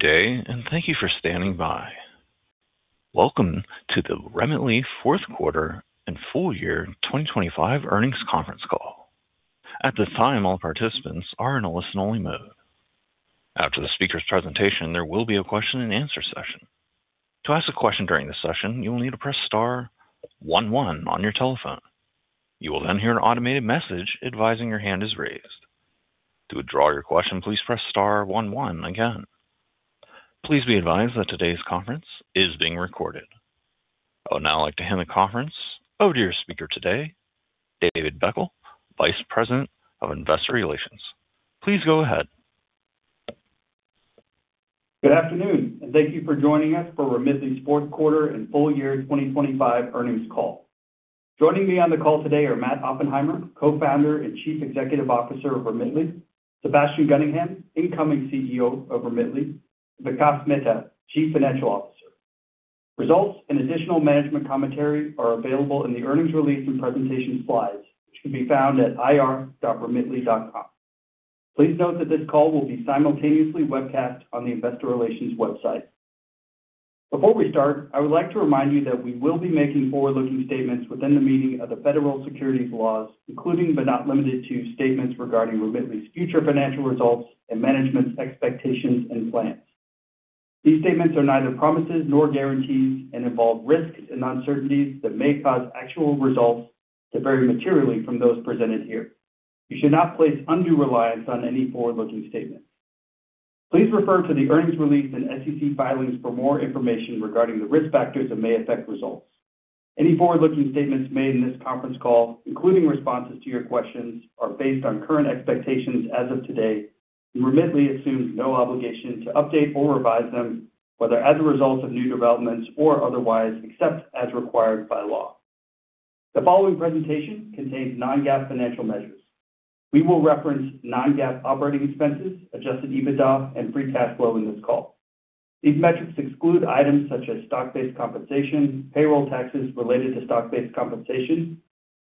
Good day, and thank you for standing by. Welcome to the Remitly Fourth Quarter and Full Year 2025 Earnings Conference Call. At this time, all participants are in a listen-only mode. After the speaker's presentation, there will be a question and answer session. To ask a question during the session, you will need to press star one one on your telephone. You will then hear an automated message advising your hand is raised. To withdraw your question, please press star one one again. Please be advised that today's conference is being recorded. I would now like to hand the conference over to your speaker today, David Beckel, Vice President of Investor Relations. Please go ahead. Good afternoon, and thank you for joining us for Remitly's fourth quarter and full year 2025 earnings call. Joining me on the call today are Matt Oppenheimer, Co-founder and Chief Executive Officer of Remitly, Sebastian Gunningham, incoming CEO of Remitly, Vikas Mehta, Chief Financial Officer. Results and additional management commentary are available in the earnings release and presentation slides, which can be found at ir.remitly.com. Please note that this call will be simultaneously webcast on the investor relations website. Before we start, I would like to remind you that we will be making forward-looking statements within the meaning of the federal securities laws, including but not limited to, statements regarding Remitly's future financial results and management's expectations and plans. These statements are neither promises nor guarantees, and involve risks and uncertainties that may cause actual results to vary materially from those presented here. You should not place undue reliance on any forward-looking statements. Please refer to the earnings release and SEC filings for more information regarding the risk factors that may affect results. Any forward-looking statements made in this conference call, including responses to your questions, are based on current expectations as of today, and Remitly assumes no obligation to update or revise them, whether as a result of new developments or otherwise, except as required by law. The following presentation contains non-GAAP financial measures. We will reference non-GAAP operating expenses, Adjusted EBITDA, and Free Cash Flow in this call. These metrics exclude items such as stock-based compensation, payroll taxes related to stock-based compensation,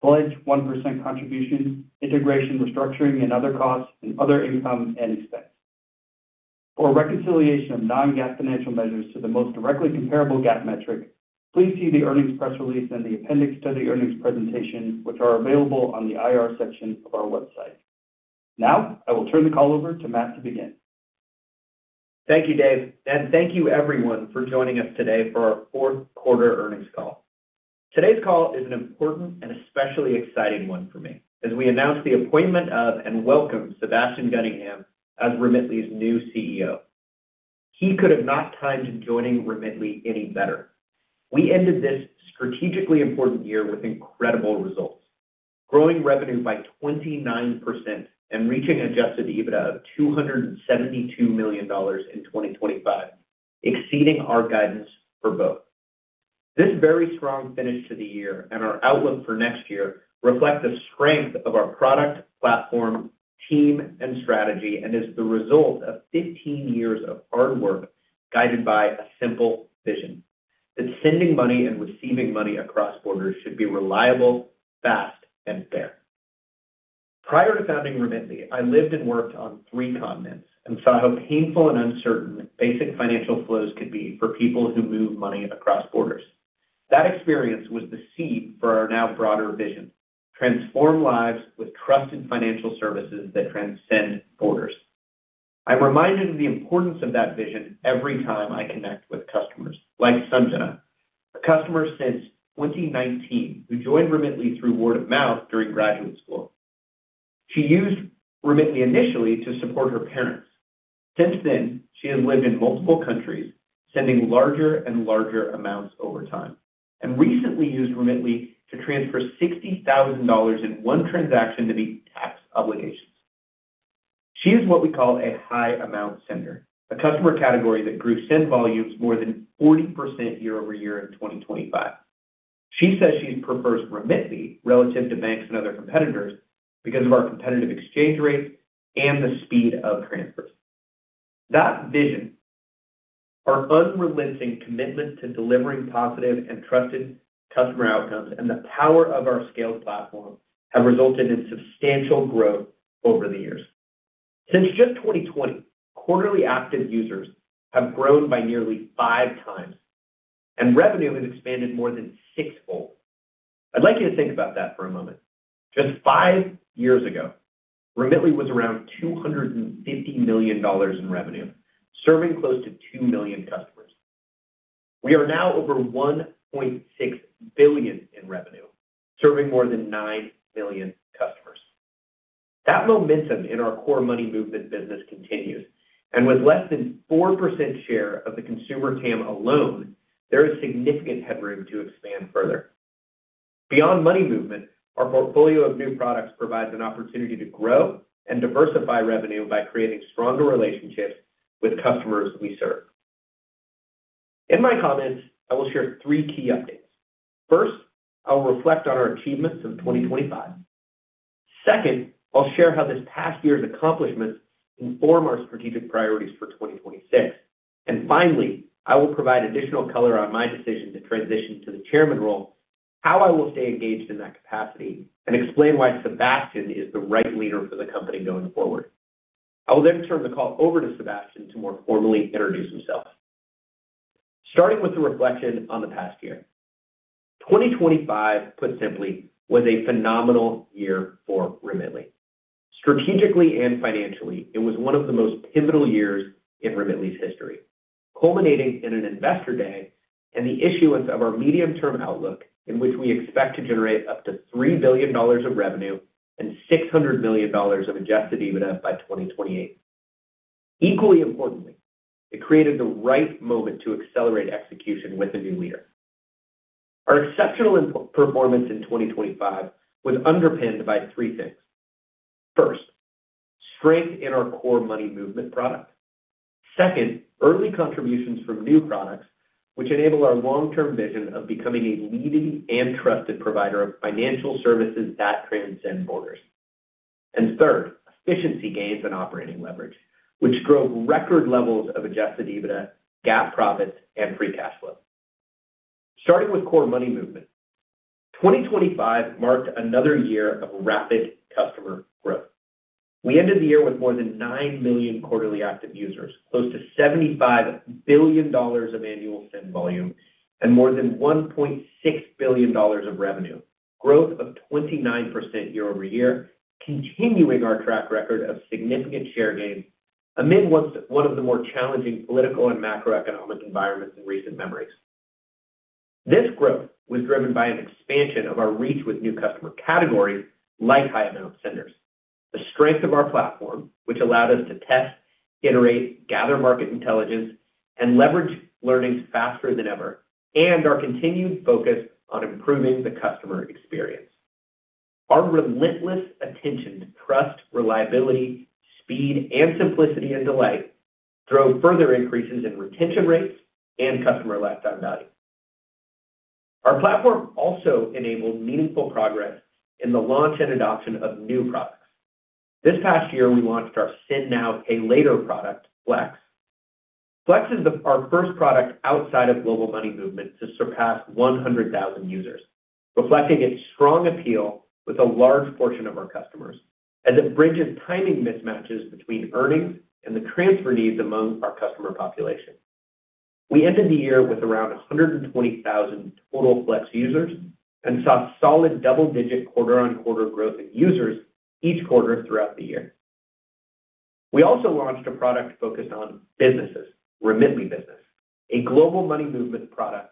Pledge 1% contribution, integration, restructuring, and other costs, and other income and expense. For a reconciliation of non-GAAP financial measures to the most directly comparable GAAP metric, please see the earnings press release and the appendix to the earnings presentation, which are available on the IR section of our website. Now, I will turn the call over to Matt to begin. Thank you, Dave, and thank you everyone for joining us today for our fourth quarter earnings call. Today's call is an important and especially exciting one for me, as we announce the appointment of and welcome Sebastian Gunningham as Remitly's new CEO. He could have not timed joining Remitly any better. We ended this strategically important year with incredible results, growing revenue by 29% and reaching Adjusted EBITDA of $272 million in 2025, exceeding our guidance for both. This very strong finish to the year and our outlook for next year reflect the strength of our product, platform, team, and strategy, and is the result of 15 years of hard work, guided by a simple vision: that sending money and receiving money across borders should be reliable, fast, and fair. Prior to founding Remitly, I lived and worked on three continents and saw how painful and uncertain basic financial flows could be for people who move money across borders. That experience was the seed for our now broader vision: transform lives with trusted financial services that transcend borders. I'm reminded of the importance of that vision every time I connect with customers like Sanjana, a customer since 2019, who joined Remitly through word of mouth during graduate school. She used Remitly initially to support her parents. Since then, she has lived in multiple countries, sending larger and larger amounts over time, and recently used Remitly to transfer $60,000 in one transaction to meet tax obligations. She is what we call a high amount sender, a customer category that grew send volumes more than 40% year-over-year in 2025. She says she prefers Remitly relative to banks and other competitors because of our competitive exchange rates and the speed of transfers. That vision, our unrelenting commitment to delivering positive and trusted customer outcomes, and the power of our scaled platform, have resulted in substantial growth over the years. Since just 2020, quarterly active users have grown by nearly 5x, and revenue has expanded more than 6x. I'd like you to think about that for a moment. Just five years ago, Remitly was around $250 million in revenue, serving close to 2 million customers. We are now over $1.6 billion in revenue, serving more than 9 million customers. That momentum in our core money movement business continues, and with less than 4% share of the consumer TAM alone, there is significant headroom to expand further. Beyond money movement, our portfolio of new products provides an opportunity to grow and diversify revenue by creating stronger relationships with customers we serve. In my comments, I will share three key updates. First, I will reflect on our achievements in 2025. Second, I'll share how this past year's accomplishments inform our strategic priorities for 2026. Finally, I will provide additional color on my decision to transition to the chairman role, how I will stay engaged in that capacity, and explain why Sebastian is the right leader for the company going forward. I will then turn the call over to Sebastian to more formally introduce himself. Starting with the reflection on the past year. 2025, put simply, was a phenomenal year for Remitly. Strategically and financially, it was one of the most pivotal years in Remitly's history, culminating in an Investor Day and the issuance of our medium-term outlook, in which we expect to generate up to $3 billion of revenue and $600 million of Adjusted EBITDA by 2028. Equally importantly, it created the right moment to accelerate execution with a new leader. Our exceptional input performance in 2025 was underpinned by three things. First, strength in our core money movement product. Second, early contributions from new products, which enable our long-term vision of becoming a leading and trusted provider of financial services that transcend borders. Third, efficiency gains and operating leverage, which drove record levels of Adjusted EBITDA, GAAP profits, and Free Cash Flow. Starting with core money movement, 2025 marked another year of rapid customer growth. We ended the year with more than 9 million quarterly active users, close to $75 billion of annual send volume, and more than $1.6 billion of revenue, growth of 29% year-over-year, continuing our track record of significant share gains amid one of the more challenging political and macroeconomic environments in recent memories. This growth was driven by an expansion of our reach with new customer categories, like high amount senders. The strength of our platform, which allowed us to test, iterate, gather market intelligence, and leverage learnings faster than ever, and our continued focus on improving the customer experience. Our relentless attention to trust, reliability, speed, and simplicity and delight drove further increases in retention rates and customer lifetime value. Our platform also enabled meaningful progress in the launch and adoption of new products. This past year, we launched our Send Now, Pay Later product, Flex. Flex is our first product outside of global money movement to surpass 100,000 users, reflecting its strong appeal with a large portion of our customers, as it bridges timing mismatches between earnings and the transfer needs among our customer population. We ended the year with around 120,000 total Flex users and saw solid double-digit quarter-on-quarter growth in users each quarter throughout the year. We also launched a product focused on businesses, Remitly Business, a global money movement product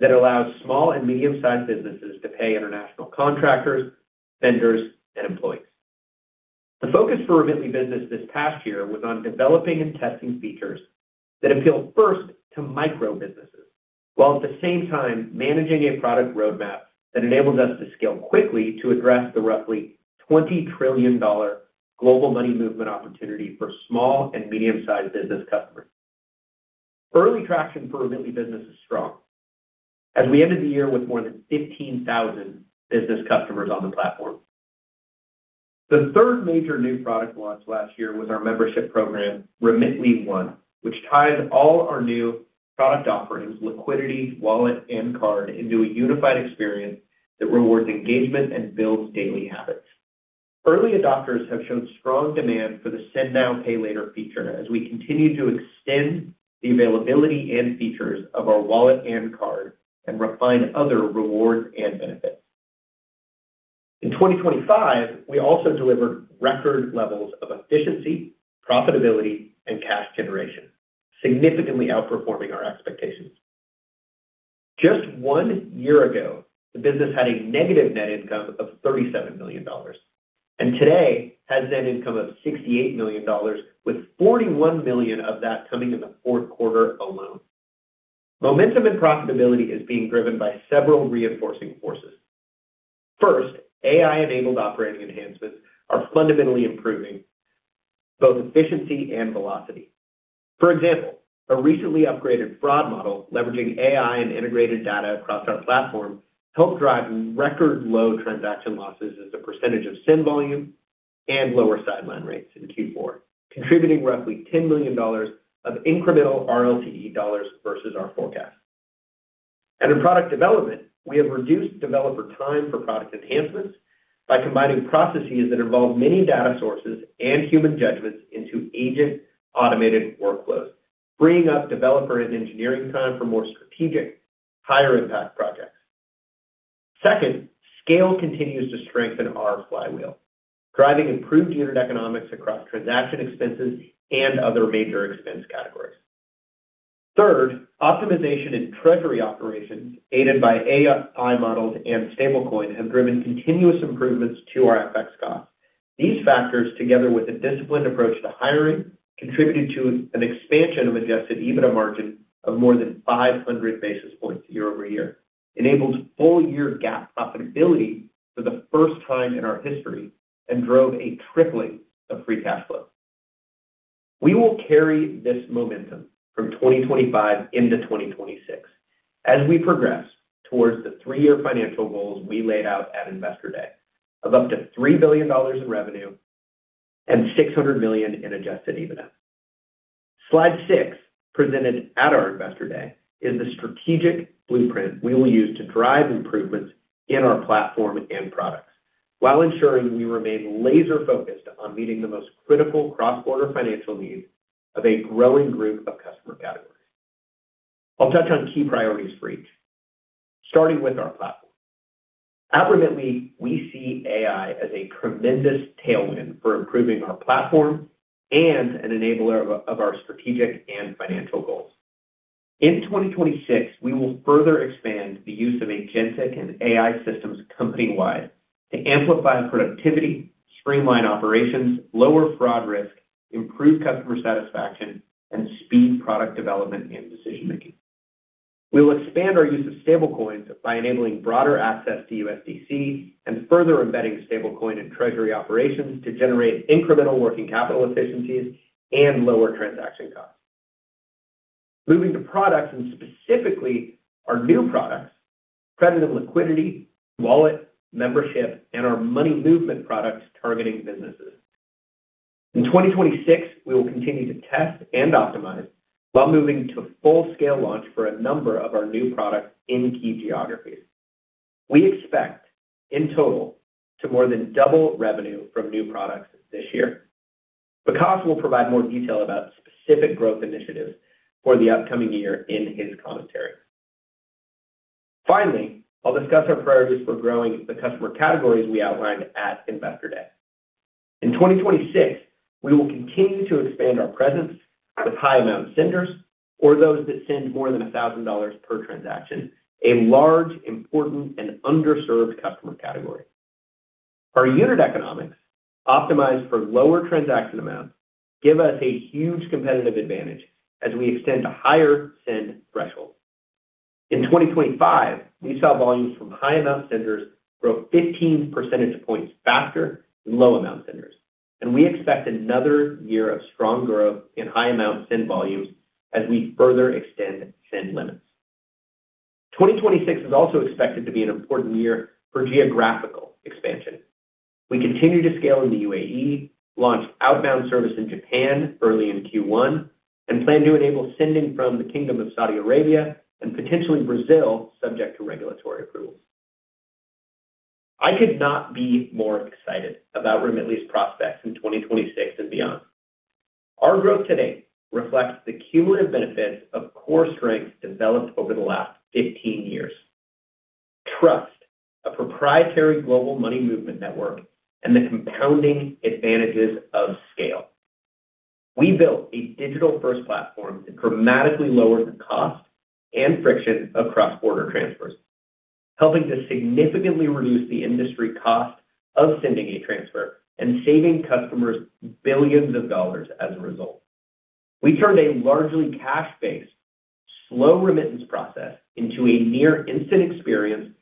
that allows small and medium-sized businesses to pay international contractors, vendors, and employees. The focus for Remitly Business this past year was on developing and testing features that appeal first to micro-businesses, while at the same time managing a product roadmap that enables us to scale quickly to address the roughly $20 trillion global money movement opportunity for small and medium-sized business customers. Early traction for Remitly Business is strong as we ended the year with more than 15,000 business customers on the platform. The third major new product launch last year was our membership program, Remitly One, which ties all our new product offerings, liquidity, wallet, and card, into a unified experience that rewards engagement and builds daily habits. Early adopters have shown strong demand for the Send Now, Pay Later feature as we continue to extend the availability and features of our wallet and card and refine other rewards and benefits. In 2025, we also delivered record levels of efficiency, profitability, and cash generation, significantly outperforming our expectations. Just one year ago, the business had a negative net income of $37 million, and today has net income of $68 million, with $41 million of that coming in the fourth quarter alone. Momentum and profitability is being driven by several reinforcing forces. First, AI-enabled operating enhancements are fundamentally improving both efficiency and velocity. For example, a recently upgraded fraud model, leveraging AI and integrated data across our platform, helped drive record low transaction losses as a percentage of send volume and lower sideline rates in Q4, contributing roughly $10 million of incremental RLTE dollars versus our forecast. In product development, we have reduced developer time for product enhancements by combining processes that involve many data sources and human judgments into agent automated workflows, freeing up developer and engineering time for more strategic, higher impact projects. Second, scale continues to strengthen our flywheel, driving improved unit economics across transaction expenses and other major expense categories. Third, optimization and treasury operations, aided by AI models and stablecoin, have driven continuous improvements to our FX costs. These factors, together with a disciplined approach to hiring, contributed to an expansion of Adjusted EBITDA margin of more than 500 basis points year-over-year, enables full-year GAAP profitability for the first time in our history, and drove a tripling of Free Cash Flow. We will carry this momentum from 2025 into 2026 as we progress towards the three-year financial goals we laid out at Investor Day of up to $3 billion in revenue and $600 million in Adjusted EBITDA. Slide 6, presented at our Investor Day, is the strategic blueprint we will use to drive improvements in our platform and products, while ensuring we remain laser-focused on meeting the most critical cross-border financial needs of a growing group of customer categories. I'll touch on key priorities for each, starting with our platform. At Remitly, we see AI as a tremendous tailwind for improving our platform and an enabler of our strategic and financial goals. In 2026, we will further expand the use of agentic and AI systems company-wide to amplify productivity, streamline operations, lower fraud risk, improve customer satisfaction, and speed product development and decision-making. We will expand our use of stablecoins by enabling broader access to USDC and further embedding stablecoin and treasury operations to generate incremental working capital efficiencies and lower transaction costs. Moving to products, and specifically our new products, credit and liquidity, wallet, membership, and our money movement products targeting businesses. In 2026, we will continue to test and optimize while moving to full-scale launch for a number of our new products in key geographies. We expect, in total, to more than double revenue from new products this year. Vikas will provide more detail about specific growth initiatives for the upcoming year in his commentary. Finally, I'll discuss our priorities for growing the customer categories we outlined at Investor Day. In 2026, we will continue to expand our presence with high amount senders, or those that send more than $1,000 per transaction, a large, important, and underserved customer category. Our unit economics, optimized for lower transaction amounts, give us a huge competitive advantage as we extend to higher send thresholds. In 2025, we saw volumes from high amount senders grow 15 percentage points faster than low amount senders, and we expect another year of strong growth in high amount send volumes as we further extend send limits. 2026 is also expected to be an important year for geographical expansion. We continue to scale in the U.A.E., launch outbound service in Japan early in Q1, and plan to enable sending from the Kingdom of Saudi Arabia and potentially Brazil, subject to regulatory approval. I could not be more excited about Remitly's prospects in 2026 and beyond. Our growth today reflects the cumulative benefits of core strengths developed over the last 15 years. Trust, a proprietary global money movement network, and the compounding advantages of scale. We built a digital-first platform that dramatically lowered the cost and friction of cross-border transfers, helping to significantly reduce the industry cost of sending a transfer and saving customers $ billions as a result. We turned a largely cash-based, slow remittance process into a near-instant experience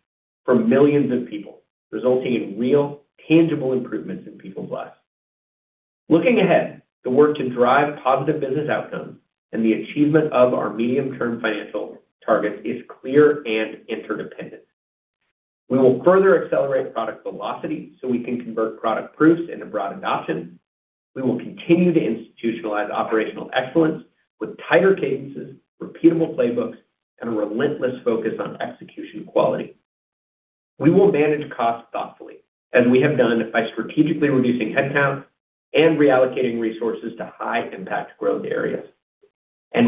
for millions of people, resulting in real, tangible improvements in people's lives. Looking ahead, the work to drive positive business outcomes and the achievement of our medium-term financial targets is clear and interdependent. We will further accelerate product velocity so we can convert product proofs into broad adoption. We will continue to institutionalize operational excellence with tighter cadences, repeatable playbooks, and a relentless focus on execution quality. We will manage costs thoughtfully, as we have done by strategically reducing headcount and reallocating resources to high-impact growth areas.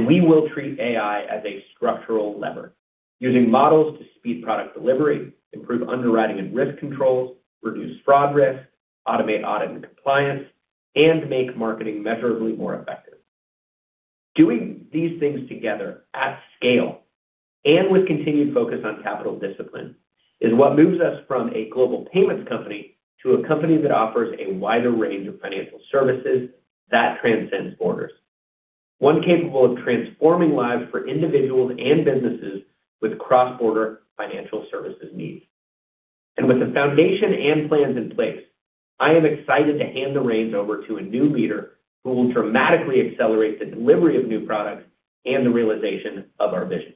We will treat AI as a structural lever, using models to speed product delivery, improve underwriting and risk controls, reduce fraud risk, automate audit and compliance, and make marketing measurably more effective. Doing these things together at scale and with continued focus on capital discipline is what moves us from a global payments company to a company that offers a wider range of financial services that transcends borders, one capable of transforming lives for individuals and businesses with cross-border financial services needs. With the foundation and plans in place, I am excited to hand the reins over to a new leader who will dramatically accelerate the delivery of new products and the realization of our vision.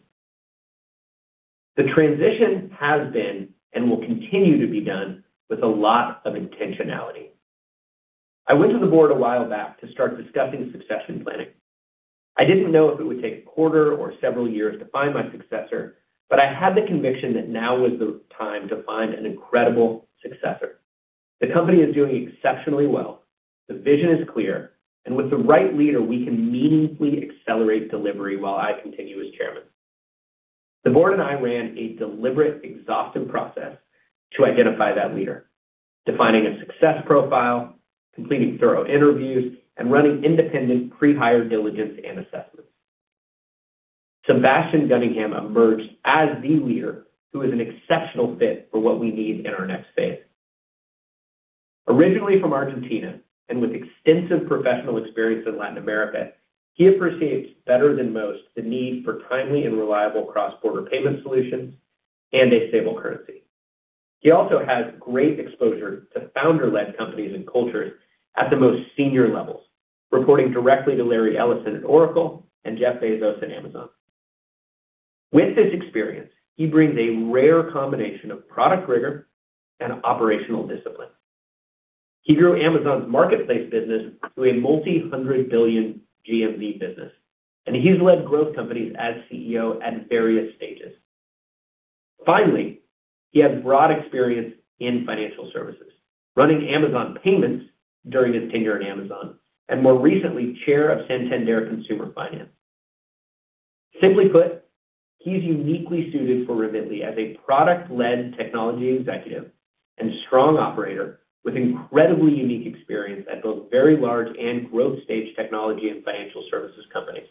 The transition has been, and will continue to be done, with a lot of intentionality. I went to the board a while back to start discussing succession planning. I didn't know if it would take a quarter or several years to find my successor, but I had the conviction that now was the time to find an incredible successor. The company is doing exceptionally well, the vision is clear, and with the right leader, we can meaningfully accelerate delivery while I continue as Chairman. The board and I ran a deliberate, exhaustive process to identify that leader, defining a success profile, completing thorough interviews, and running independent pre-hire diligence and assessments. Sebastian Gunningham emerged as the leader who is an exceptional fit for what we need in our next phase. Originally from Argentina, and with extensive professional experience in Latin America, he appreciates better than most the need for timely and reliable cross-border payment solutions and a stable currency. He also has great exposure to founder-led companies and cultures at the most senior levels, reporting directly to Larry Ellison at Oracle and Jeff Bezos at Amazon. With this experience, he brings a rare combination of product rigor and operational discipline. He grew Amazon's marketplace business to a multi-hundred billion GMV business, and he's led growth companies as CEO at various stages. Finally, he has broad experience in financial services, running Amazon Payments during his tenure at Amazon, and more recently, Chair of Santander Consumer Finance. Simply put, he's uniquely suited for Remitly as a product-led technology executive and strong operator with incredibly unique experience at both very large and growth-stage technology and financial services companies.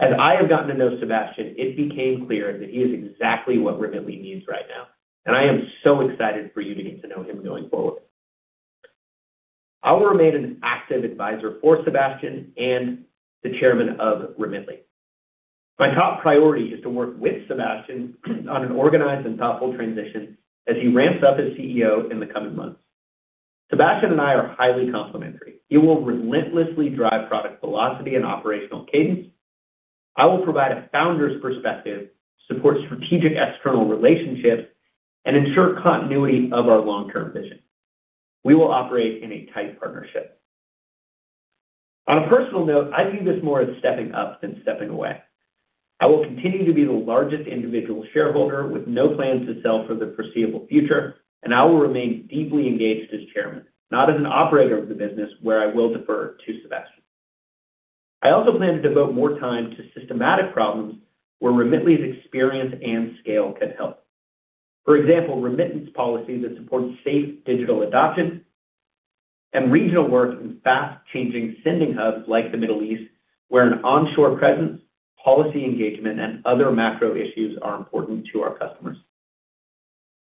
As I have gotten to know Sebastian, it became clear that he is exactly what Remitly needs right now, and I am so excited for you to get to know him going forward. I will remain an active advisor for Sebastian and the Chairman of Remitly. My top priority is to work with Sebastian on an organized and thoughtful transition as he ramps up as CEO in the coming months. Sebastian and I are highly complementary. He will relentlessly drive product velocity and operational cadence. I will provide a founder's perspective, support strategic external relationships, and ensure continuity of our long-term vision. We will operate in a tight partnership. On a personal note, I view this more as stepping up than stepping away. I will continue to be the largest individual shareholder, with no plans to sell for the foreseeable future, and I will remain deeply engaged as chairman, not as an operator of the business, where I will defer to Sebastian. I also plan to devote more time to systematic problems where Remitly's experience and scale can help. For example, remittance policies that support safe digital adoption and regional work in fast-changing sending hubs like the Middle East, where an onshore presence, policy engagement, and other macro issues are important to our customers.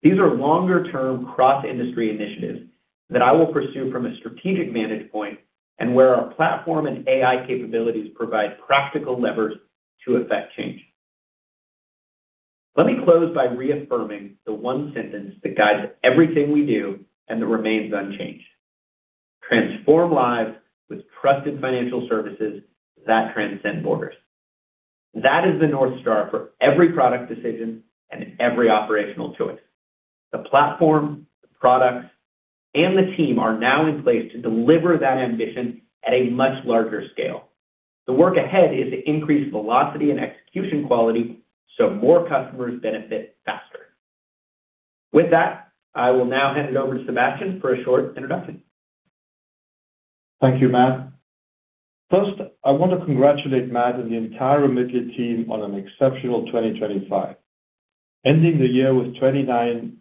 These are longer-term, cross-industry initiatives that I will pursue from a strategic vantage point and where our platform and AI capabilities provide practical levers to effect change. Let me close by reaffirming the one sentence that guides everything we do and that remains unchanged: Transform lives with trusted financial services that transcend borders. That is the North Star for every product decision and every operational choice. The platform, the products, and the team are now in place to deliver that ambition at a much larger scale. The work ahead is to increase velocity and execution quality so more customers benefit faster. With that, I will now hand it over to Sebastian for a short introduction. Thank you, Matt. First, I want to congratulate Matt and the entire Remitly team on an exceptional 2025. Ending the year with 29%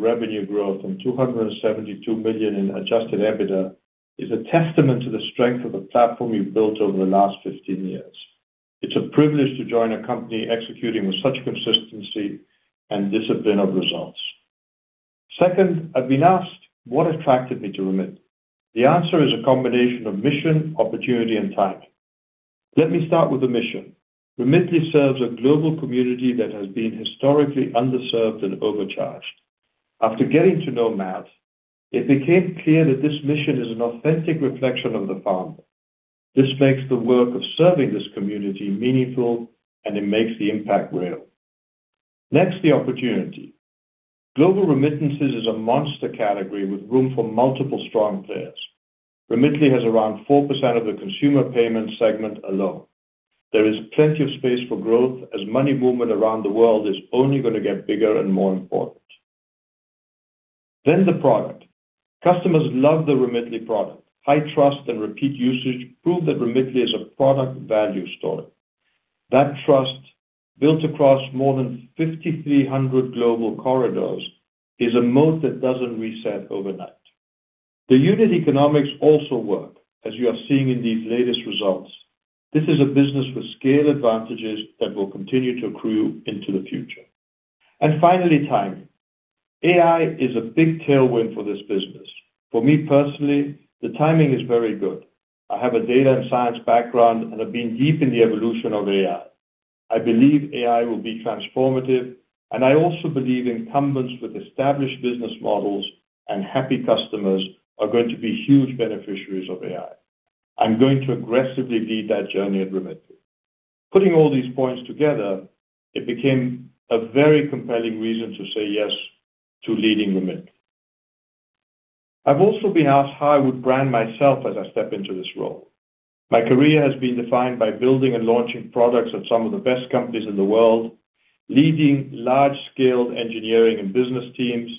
revenue growth and $272 million in Adjusted EBITDA is a testament to the strength of the platform you've built over the last 15 years. It's a privilege to join a company executing with such consistency and discipline of results. Second, I've been asked what attracted me to Remitly. The answer is a combination of mission, opportunity, and time. Let me start with the mission. Remitly serves a global community that has been historically underserved and overcharged. After getting to know Matt, it became clear that this mission is an authentic reflection of the founder. This makes the work of serving this community meaningful, and it makes the impact real. Next, the opportunity. Global remittances is a monster category with room for multiple strong players. Remitly has around 4% of the consumer payment segment alone. There is plenty of space for growth, as money movement around the world is only going to get bigger and more important. Then the product. Customers love the Remitly product. High trust and repeat usage prove that Remitly is a product value story. That trust, built across more than 5,300 global corridors, is a moat that doesn't reset overnight. The unit economics also work, as you are seeing in these latest results. This is a business with scale advantages that will continue to accrue into the future. And finally, timing. AI is a big tailwind for this business. For me personally, the timing is very good. I have a data and science background, and I've been deep in the evolution of AI. I believe AI will be transformative, and I also believe incumbents with established business models and happy customers are going to be huge beneficiaries of AI. I'm going to aggressively lead that journey at Remitly. Putting all these points together, it became a very compelling reason to say yes to leading Remitly. I've also been asked how I would brand myself as I step into this role. My career has been defined by building and launching products at some of the best companies in the world, leading large-scale engineering and business teams,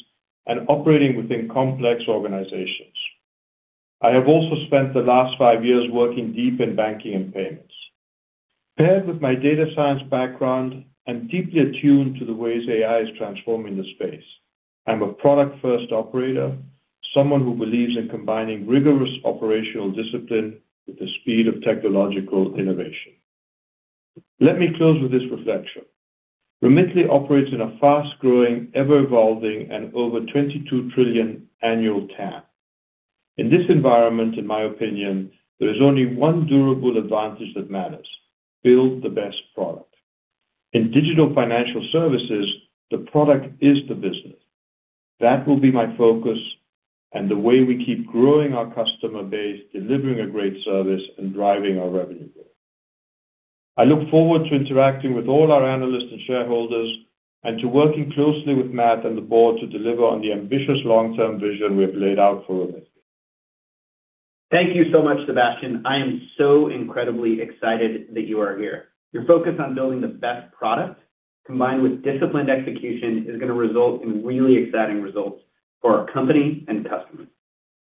and operating within complex organizations. I have also spent the last five years working deep in banking and payments. Paired with my data science background, I'm deeply attuned to the ways AI is transforming the space. I'm a product-first operator, someone who believes in combining rigorous operational discipline with the speed of technological innovation. Let me close with this reflection. Remitly operates in a fast-growing, ever-evolving, and over $22 trillion annual TAM. In this environment, in my opinion, there is only one durable advantage that matters: build the best product. In digital financial services, the product is the business. That will be my focus and the way we keep growing our customer base, delivering a great service, and driving our revenue growth. I look forward to interacting with all our analysts and shareholders, and to working closely with Matt and the board to deliver on the ambitious long-term vision we have laid out for Remitly. Thank you so much, Sebastian. I am so incredibly excited that you are here. Your focus on building the best product, combined with disciplined execution, is going to result in really exciting results for our company and customers.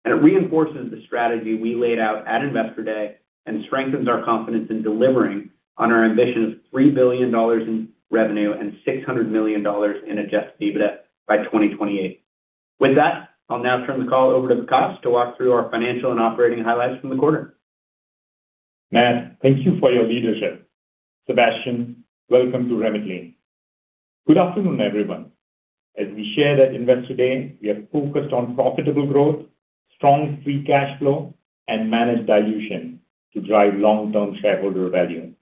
And it reinforces the strategy we laid out at Investor Day, and strengthens our confidence in delivering on our ambition of $3 billion in revenue and $600 million in Adjusted EBITDA by 2028. With that, I'll now turn the call over to Vikas to walk through our financial and operating highlights from the quarter. Matt, thank you for your leadership. Sebastian, welcome to Remitly. Good afternoon, everyone. As we shared at Investor Day, we are focused on profitable growth, strong Free Cash Flow, and managed dilution to drive long-term shareholder value.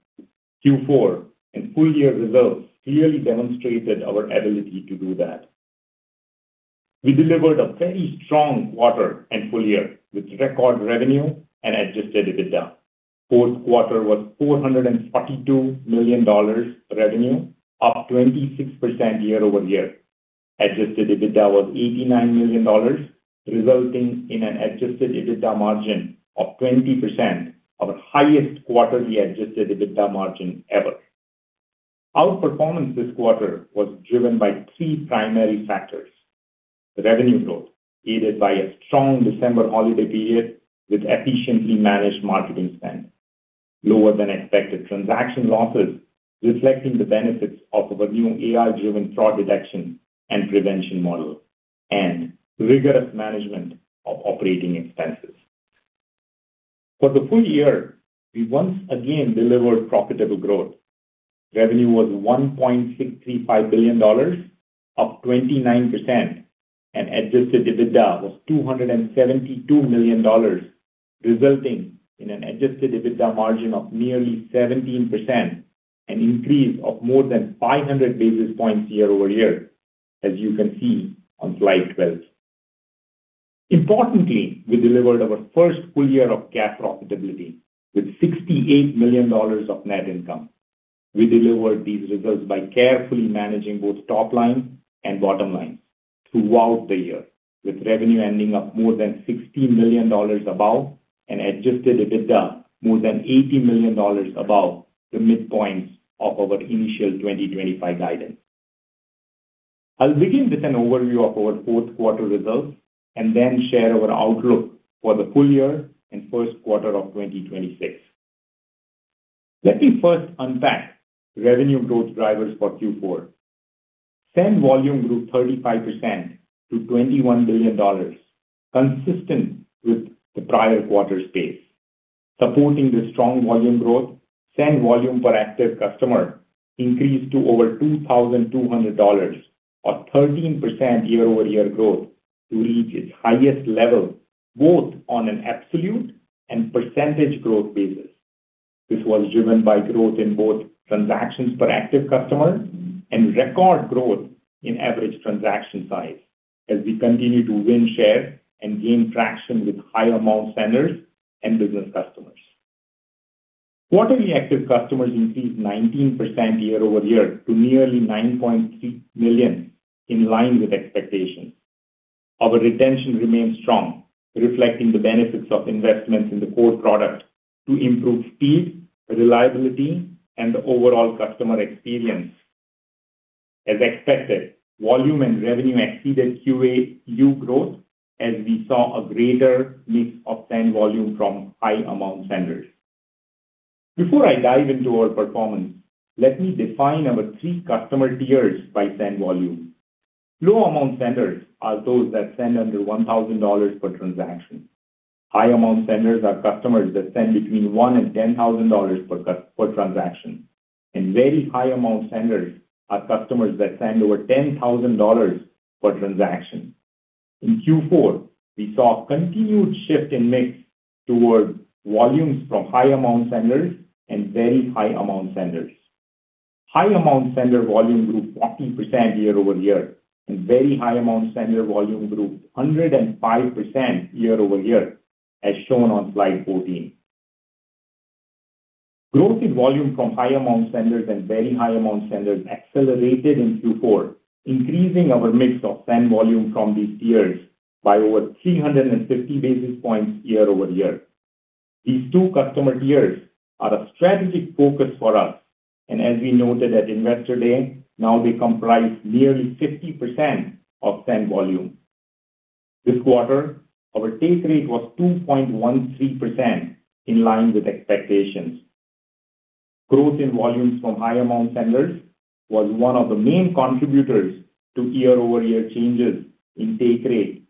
Q4 and full year results clearly demonstrated our ability to do that. We delivered a very strong quarter and full year, with record revenue and Adjusted EBITDA. Fourth quarter was $442 million revenue, up 26% year-over-year. Adjusted EBITDA was $89 million, resulting in an Adjusted EBITDA margin of 20%, our highest quarterly Adjusted EBITDA margin ever. Our performance this quarter was driven by three primary factors: revenue growth, aided by a strong December holiday period with efficiently managed marketing spend, lower than expected transaction losses, reflecting the benefits of our new AI-driven fraud detection and prevention model, and rigorous management of operating expenses. For the full year, we once again delivered profitable growth. Revenue was $1.635 billion, up 29%, and Adjusted EBITDA was $272 million, resulting in an Adjusted EBITDA margin of nearly 17%, an increase of more than 500 basis points year over year, as you can see on slide 12. Importantly, we delivered our first full year of cash profitability with $68 million of net income. We delivered these results by carefully managing both top line and bottom line throughout the year, with revenue ending up more than $60 million above, and Adjusted EBITDA more than $80 million above the midpoints of our initial 2025 guidance. I'll begin with an overview of our fourth quarter results, and then share our outlook for the full year and first quarter of 2026. Let me first unpack the revenue growth drivers for Q4. Send volume grew 35% to $21 billion, consistent with the prior quarter's pace. Supporting the strong volume growth, send volume per active customer increased to over $2,200, or 13% year-over-year growth, to reach its highest level, both on an absolute and percentage growth basis. This was driven by growth in both transactions per active customer and record growth in average transaction size, as we continue to win, share and gain traction with high amount senders and business customers. Quarterly active customers increased 19% year-over-year to nearly 9.3 million, in line with expectations. Our retention remains strong, reflecting the benefits of investments in the core product to improve speed, reliability, and the overall customer experience. As expected, volume and revenue exceeded QAU growth, as we saw a greater mix of send volume from high amount senders. Before I dive into our performance, let me define our three customer tiers by send volume. Low amount senders are those that send under $1,000 per transaction. High amount senders are customers that send between $1,000 and $10,000 per transaction, and very high amount senders are customers that send over $10,000 per transaction. In Q4, we saw a continued shift in mix towards volumes from high amount senders and very high amount senders. High amount sender volume grew 40% year-over-year, and very high amount sender volume grew 105% year-over-year, as shown on slide 14. Growth in volume from high amount senders and very high amount senders accelerated in Q4, increasing our mix of send volume from these tiers by over 350 basis points year-over-year. These two customer tiers are a strategic focus for us, and as we noted at Investor Day, now they comprise nearly 50% of send volume. This quarter, our take rate was 2.13%, in line with expectations. Growth in volumes from high amount senders was one of the main contributors to year-over-year changes in take rate,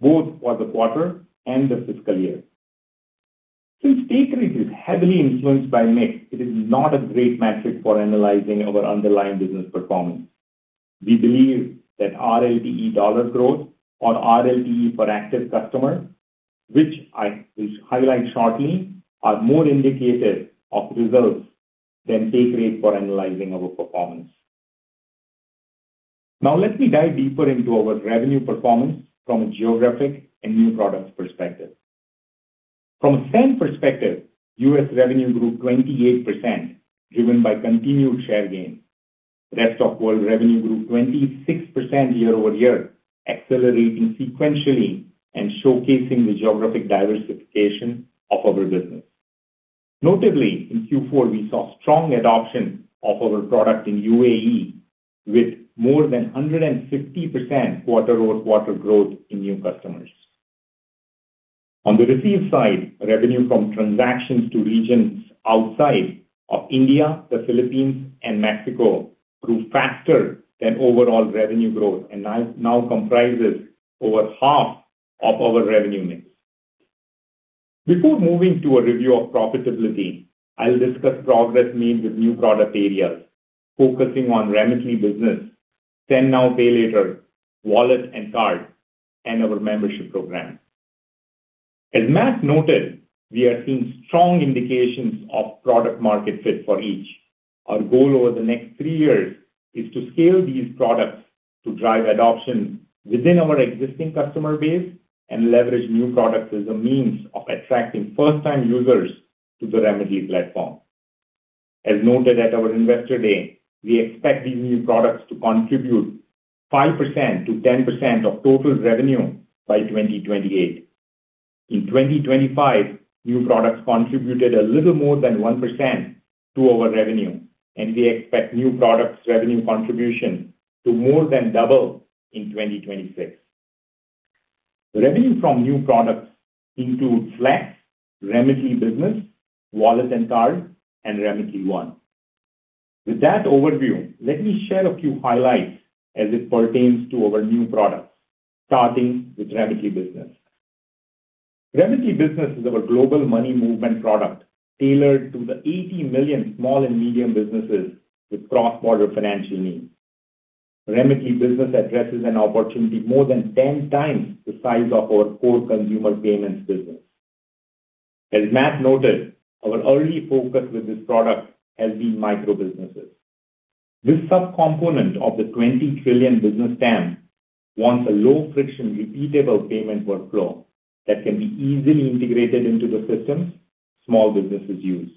both for the quarter and the fiscal year. Since take rate is heavily influenced by mix, it is not a great metric for analyzing our underlying business performance. We believe that RLTE dollar growth or RLTE per active customer, which I will highlight shortly, are more indicative of results... Than take rate for analyzing our performance. Now, let me dive deeper into our revenue performance from a geographic and new products perspective. From a send perspective, U.S. revenue grew 28%, driven by continued share gains. Rest of world revenue grew 26% year-over-year, accelerating sequentially and showcasing the geographic diversification of our business. Notably, in Q4, we saw strong adoption of our product in U.A.E., with more than 160% quarter-over-quarter growth in new customers. On the receive side, revenue from transactions to regions outside of India, the Philippines, and Mexico grew faster than overall revenue growth and now comprises over half of our revenue mix. Before moving to a review of profitability, I'll discuss progress made with new product areas, focusing on Remitly Business, Send Now, Pay Later, wallet and card, and our membership program. As Matt noted, we are seeing strong indications of product-market fit for each. Our goal over the next three years is to scale these products to drive adoption within our existing customer base and leverage new products as a means of attracting first-time users to the Remitly platform. As noted at our Investor Day, we expect these new products to contribute 5%-10% of total revenue by 2028. In 2025, new products contributed a little more than 1% to our revenue, and we expect new products revenue contribution to more than double in 2026. Revenue from new products include Flex, Remitly Business, wallet and card, and Remitly One. With that overview, let me share a few highlights as it pertains to our new products, starting with Remitly Business. Remitly Business is our global money movement product, tailored to the 80 million small and medium businesses with cross-border financial needs. Remitly Business addresses an opportunity more than 10x the size of our core consumer payments business. As Matt noted, our early focus with this product has been micro businesses. This subcomponent of the $20 trillion business TAM wants a low-friction, repeatable payment workflow that can be easily integrated into the systems small businesses use,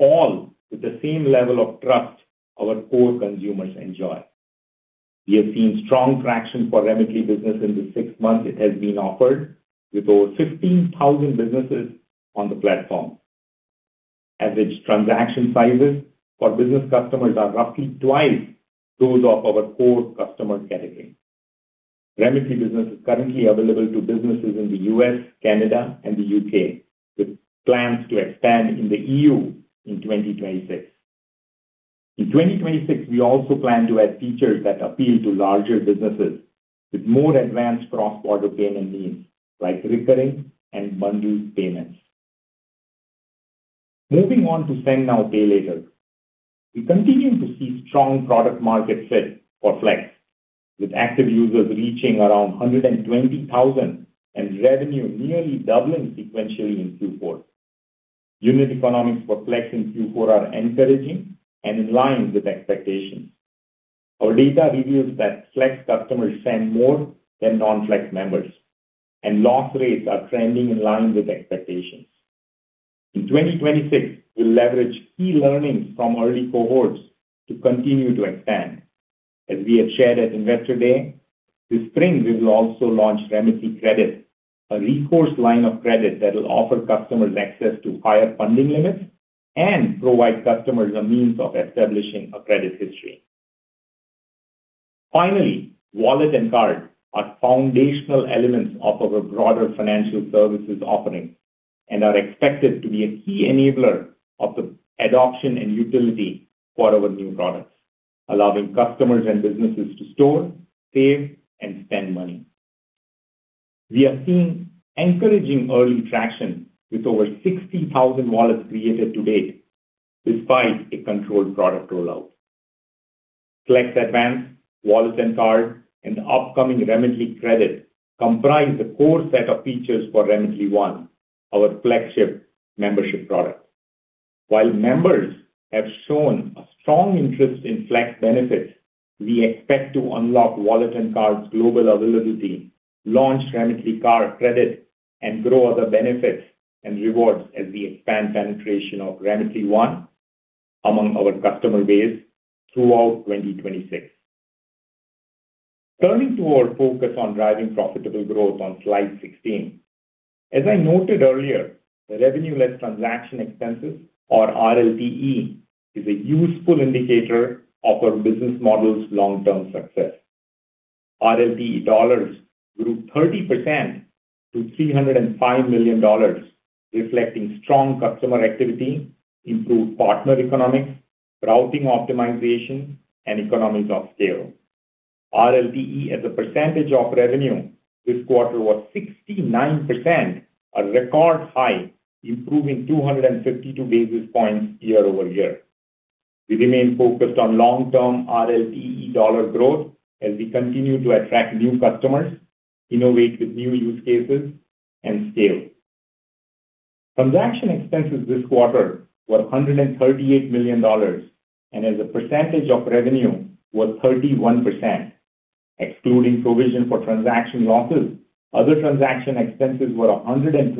all with the same level of trust our core consumers enjoy. We have seen strong traction for Remitly Business in the six months it has been offered, with over 15,000 businesses on the platform. As its transaction sizes for business customers are roughly twice those of our core customer category. Remitly Business is currently available to businesses in the U.S., Canada, and the U.K., with plans to expand in the E.U. in 2026. In 2026, we also plan to add features that appeal to larger businesses with more advanced cross-border payment needs, like recurring and bundled payments. Moving on to Send Now, Pay Later. We continue to see strong product market fit for Flex, with active users reaching around 120,000, and revenue nearly doubling sequentially in Q4. Unit economics for Flex in Q4 are encouraging and in line with expectations. Our data reveals that Flex customers spend more than non-Flex members, and loss rates are trending in line with expectations. In 2026, we'll leverage key learnings from early cohorts to continue to expand. As we had shared at Investor Day, this spring, we will also launch Remitly Credit, a recourse line of credit that will offer customers access to higher funding limits and provide customers a means of establishing a credit history. Finally, wallet and card are foundational elements of our broader financial services offering and are expected to be a key enabler of the adoption and utility for our new products, allowing customers and businesses to store, save, and spend money. We are seeing encouraging early traction with over 60,000 wallets created to date, despite a controlled product rollout. Flex, wallet and card, and upcoming Remitly Credit comprise the core set of features for Remitly One, our flagship membership product. While members have shown a strong interest in Flex benefits, we expect to unlock wallet and card's global availability, launch Remitly Credit, and grow other benefits and rewards as we expand penetration of Remitly One among our customer base throughout 2026. Turning to our focus on driving profitable growth on slide 16. As I noted earlier, the revenue less transaction expenses, or RLTE, is a useful indicator of our business model's long-term success. RLTE dollars grew 30% to $305 million, reflecting strong customer activity, improved partner economics, routing optimization, and economics of scale. RLTE, as a percentage of revenue this quarter, was 69%, a record high, improving 252 basis points year-over-year. We remain focused on long-term RLTE dollar growth as we continue to attract new customers, innovate with new use cases, and scale. Transaction expenses this quarter were $138 million, and as a percentage of revenue, was 31%. Excluding provision for transaction losses, other transaction expenses were $123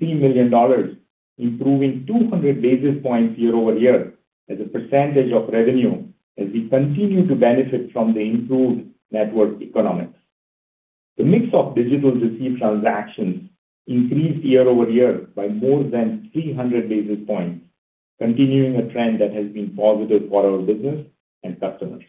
million, improving 200 basis points year-over-year as a percentage of revenue, as we continue to benefit from the improved network economics. The mix of digital receipt transactions increased year-over-year by more than 300 basis points, continuing a trend that has been positive for our business and customers.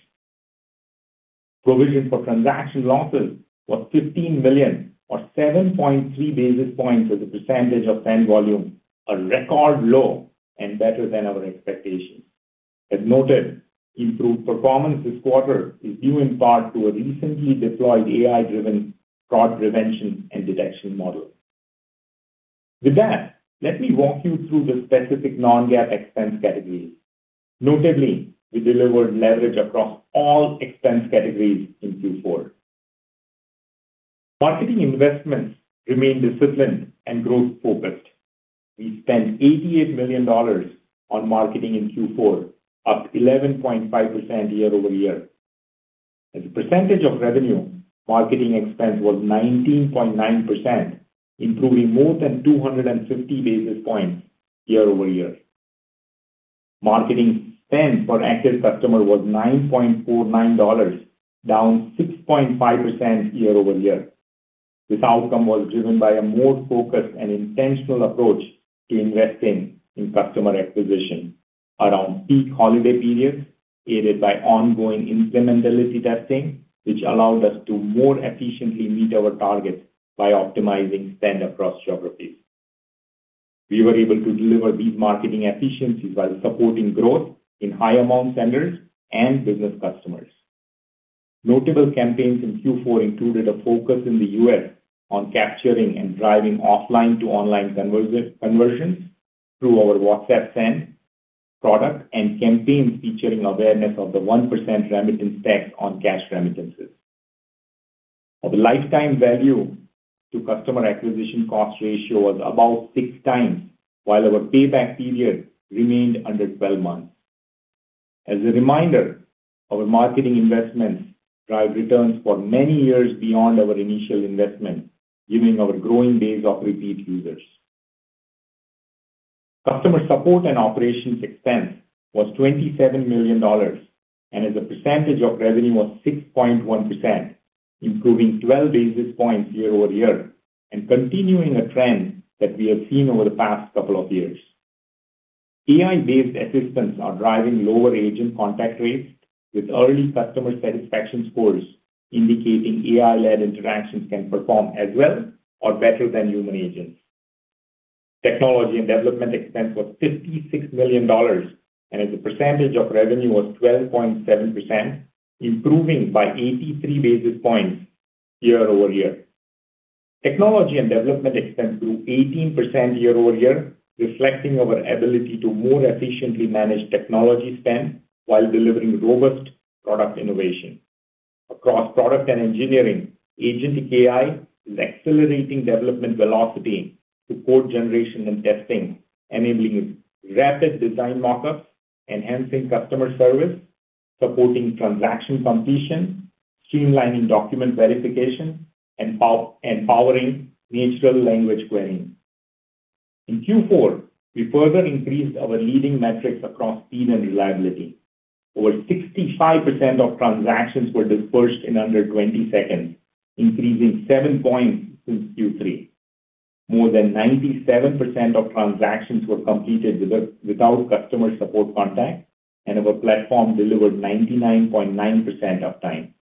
Provision for transaction losses was $15 million or 7.3 basis points as a percentage of send volume, a record low and better than our expectations. As noted, improved performance this quarter is due in part to a recently deployed AI-driven fraud prevention and detection model. With that, let me walk you through the specific non-GAAP expense categories. Notably, we delivered leverage across all expense categories in Q4. Marketing investments remain disciplined and growth-focused. We spent $88 million on marketing in Q4, up 11.5% year-over-year. As a percentage of revenue, marketing expense was 19.9%, improving more than 250 basis points year-over-year. Marketing spend per active customer was $9.49, down 6.5% year-over-year. This outcome was driven by a more focused and intentional approach to investing in customer acquisition around peak holiday periods, aided by ongoing incrementality testing, which allowed us to more efficiently meet our targets by optimizing spend across geographies. We were able to deliver these marketing efficiencies while supporting growth in high amount senders and business customers. Notable campaigns in Q4 included a focus in the U.S. on capturing and driving offline-to-online conversion, conversions through our WhatsApp Send product and campaigns featuring awareness of the 1% remittance tax on cash remittances. Our lifetime value to customer acquisition cost ratio was about 6x, while our payback period remained under 12 months. As a reminder, our marketing investments drive returns for many years beyond our initial investment, giving our growing base of repeat users. Customer support and operations expense was $27 million, and as a percentage of revenue was 6.1%, improving 12 basis points year-over-year, and continuing a trend that we have seen over the past couple of years. AI-based assistants are driving lower agent contact rates, with early customer satisfaction scores indicating AI-led interactions can perform as well or better than human agents. Technology and development expense was $56 million, and as a percentage of revenue was 12.7%, improving by 83 basis points year-over-year. Technology and development expense grew 18% year-over-year, reflecting our ability to more efficiently manage technology spend while delivering robust product innovation. Across product and engineering, agent AI is accelerating development velocity to code generation and testing, enabling rapid design mock-ups, enhancing customer service, supporting transaction completion, streamlining document verification, and empowering natural language querying. In Q4, we further increased our leading metrics across speed and reliability. Over 65% of transactions were dispersed in under 20 seconds, increasing 7 points since Q3. More than 97% of transactions were completed without customer support contact, and our platform delivered 99.9% uptime.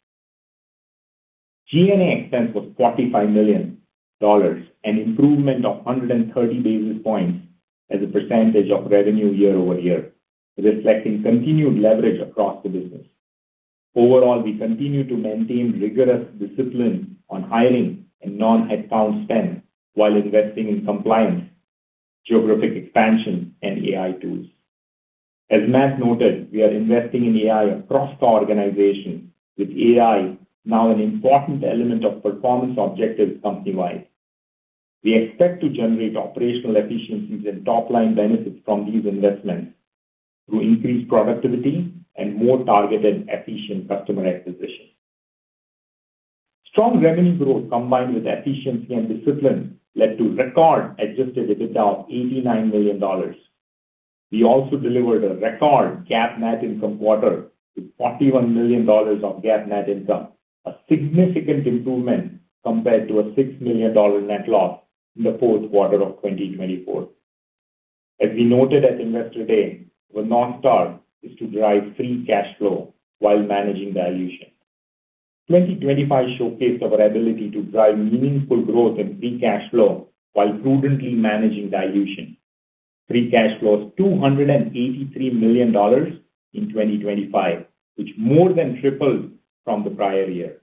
G&A expense was $45 million, an improvement of 130 basis points as a percentage of revenue year-over-year, reflecting continued leverage across the business. Overall, we continue to maintain rigorous discipline on hiring and non-headcount spend while investing in compliance, geographic expansion, and AI tools. As Matt noted, we are investing in AI across our organization, with AI now an important element of performance objectives company-wide. We expect to generate operational efficiencies and top-line benefits from these investments through increased productivity and more targeted, efficient customer acquisition. Strong revenue growth, combined with efficiency and discipline, led to record Adjusted EBITDA of $89 million. We also delivered a record GAAP net income quarter with $41 million of GAAP net income, a significant improvement compared to a $6 million net loss in the fourth quarter of 2024. As we noted at Investor Day, the North Star is to drive Free Cash Flow while managing dilution. 2025 showcased our ability to drive meaningful growth in Free Cash Flow while prudently managing dilution. Free cash flow was $283 million in 2025, which more than tripled from the prior year.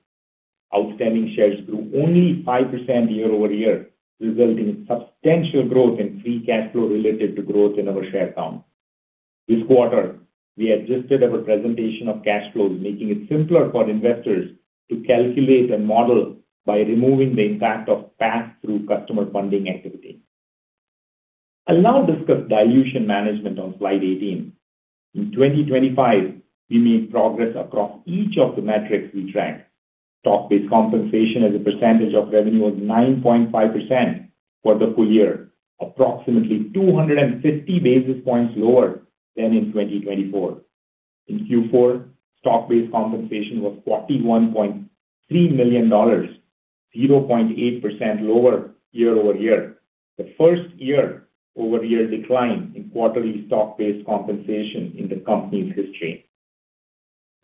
Outstanding shares grew only 5% year-over-year, resulting in substantial growth in Free Cash Flow related to growth in our share count. This quarter, we adjusted our presentation of cash flows, making it simpler for investors to calculate and model by removing the impact of pass-through customer funding activity. I'll now discuss dilution management on slide 18. In 2025, we made progress across each of the metrics we tracked. Stock-based compensation as a percentage of revenue was 9.5% for the full year, approximately 250 basis points lower than in 2024. In Q4, stock-based compensation was $41.3 million, 0.8% lower year-over-year. The first year-over-year decline in quarterly stock-based compensation in the company's history.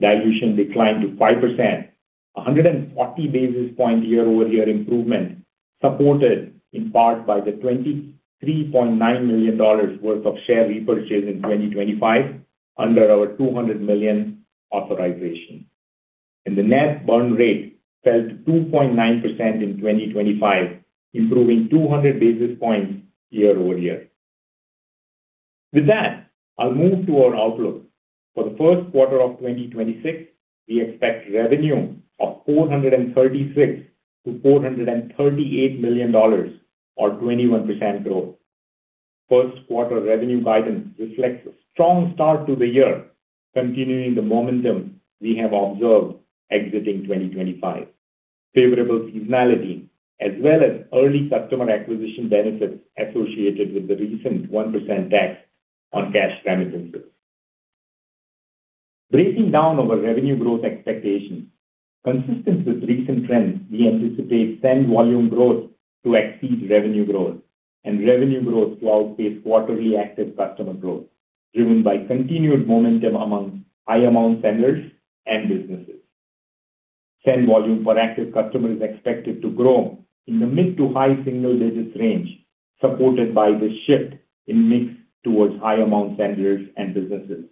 Dilution declined to 5%, 140 basis point year-over-year improvement, supported in part by the $23.9 million worth of share repurchase in 2025 under our $200 million authorization. The net burn rate fell to 2.9% in 2025, improving 200 basis points year-over-year. With that, I'll move to our outlook. For the first quarter of 2026, we expect revenue of $436 million-$438 million, or 21% growth. First quarter revenue guidance reflects a strong start to the year, continuing the momentum we have observed exiting 2025. Favorable seasonality as well as early customer acquisition benefits associated with the recent 1% tax on cash remittances. Breaking down our revenue growth expectations, consistent with recent trends, we anticipate send volume growth to exceed revenue growth, and revenue growth to outpace quarterly active customer growth, driven by continued momentum among high amount senders and businesses. Send volume for active customers is expected to grow in the mid to high single digits range, supported by the shift in mix towards high amount senders and businesses,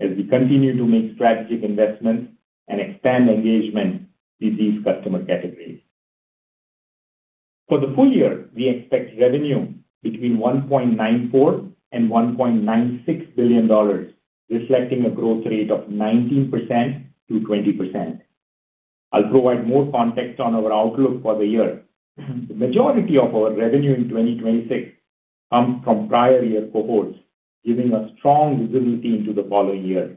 as we continue to make strategic investments and expand engagement with these customer categories. For the full year, we expect revenue between $1.94 billion and $1.96 billion, reflecting a growth rate of 19%-20%. I'll provide more context on our outlook for the year. The majority of our revenue in 2026 comes from prior year cohorts, giving us strong visibility into the following year.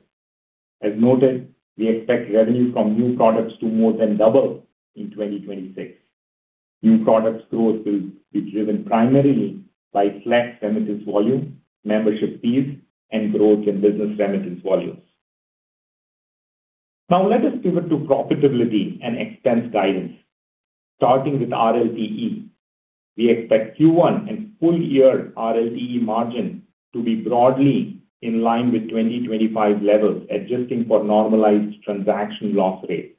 As noted, we expect revenue from new products to more than double in 2026. New products growth will be driven primarily by select remittance volume, membership fees, and growth in business remittance volumes. Now let us pivot to profitability and expense guidance. Starting with RLTE, we expect Q1 and full year RLTE margin to be broadly in line with 2025 levels, adjusting for normalized transaction loss rates.